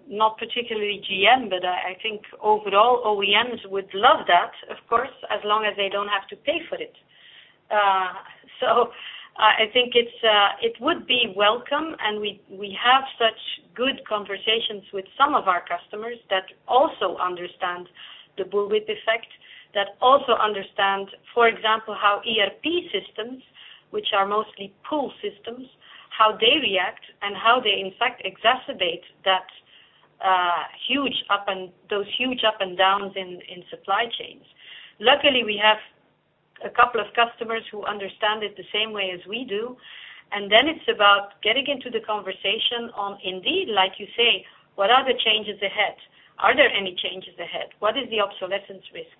not particularly GM, but I think overall OEMs would love that, of course, as long as they don't have to pay for it. I think it would be welcome, and we have such good conversations with some of our customers that also understand the bullwhip effect, that also understand, for example, how ERP systems, which are mostly pull systems, how they react and how they in fact exacerbate those huge up and downs in supply chains. Luckily, we have a couple of customers who understand it the same way as we do, and then it's about getting into the conversation on indeed, like you say, what are the changes ahead? Are there any changes ahead? What is the obsolescence risk?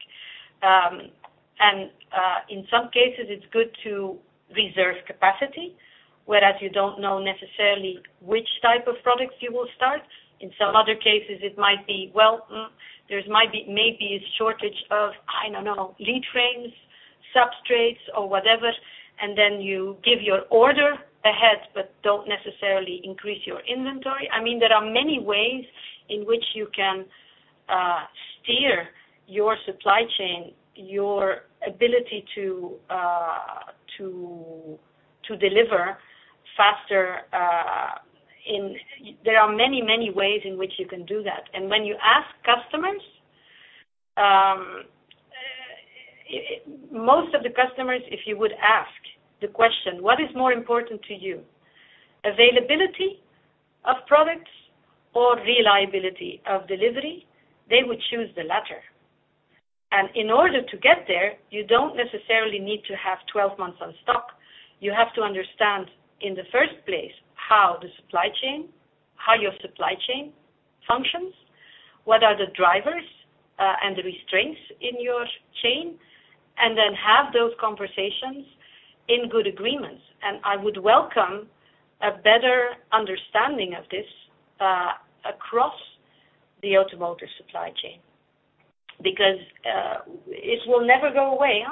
In some cases, it's good to reserve capacity, whereas you don't know necessarily which type of products you will start. In some other cases, it might be, well, there's maybe a shortage of, I don't know, lead frames, substrates, or whatever, then you give your order ahead, but don't necessarily increase your inventory. There are many ways in which you can steer your supply chain, your ability to deliver faster. There are many, many ways in which you can do that. When you ask customers, most of the customers, if you would ask the question, "What is more important to you, availability of products or reliability of delivery?" They would choose the latter. In order to get there, you don't necessarily need to have 12 months on stock. You have to understand in the first place how your supply chain functions, what are the drivers, and the restraints in your chain, then have those conversations in good agreements. I would welcome a better understanding of this across the automotive supply chain because it will never go away.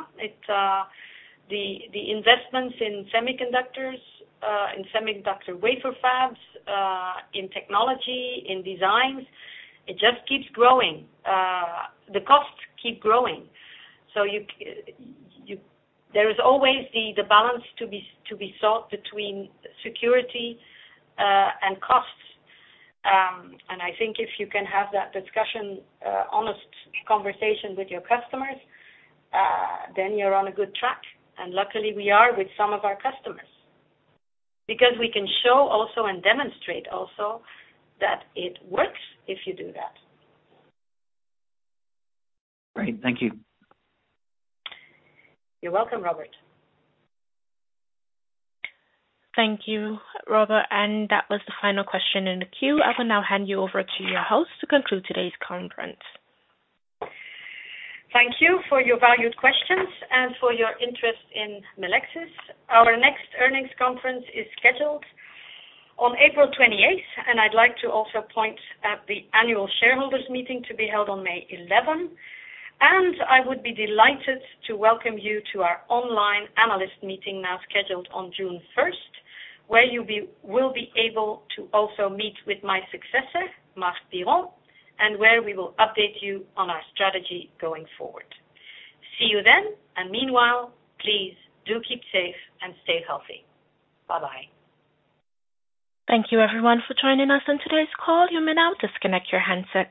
The investments in semiconductors, in semiconductor wafer fabs, in technology, in designs, it just keeps growing. The costs keep growing. There is always the balance to be sought between security and costs. I think if you can have that discussion, honest conversation with your customers, then you're on a good track. Luckily, we are with some of our customers because we can show also and demonstrate also that it works if you do that. Great. Thank you. You're welcome, Robert. Thank you, Robert. That was the final question in the queue. I will now hand you over to your host to conclude today's conference. Thank you for your valued questions and for your interest in Melexis. Our next earnings conference is scheduled on April 28th. I'd like to also point at the annual shareholders meeting to be held on May 11. I would be delighted to welcome you to our online analyst meeting now scheduled on June 1st, where you will be able to also meet with my successor, Marc Biron, and where we will update you on our strategy going forward. See you then. Meanwhile, please do keep safe and stay healthy. Bye-bye. Thank you, everyone, for joining us on today's call. You may now disconnect your handsets.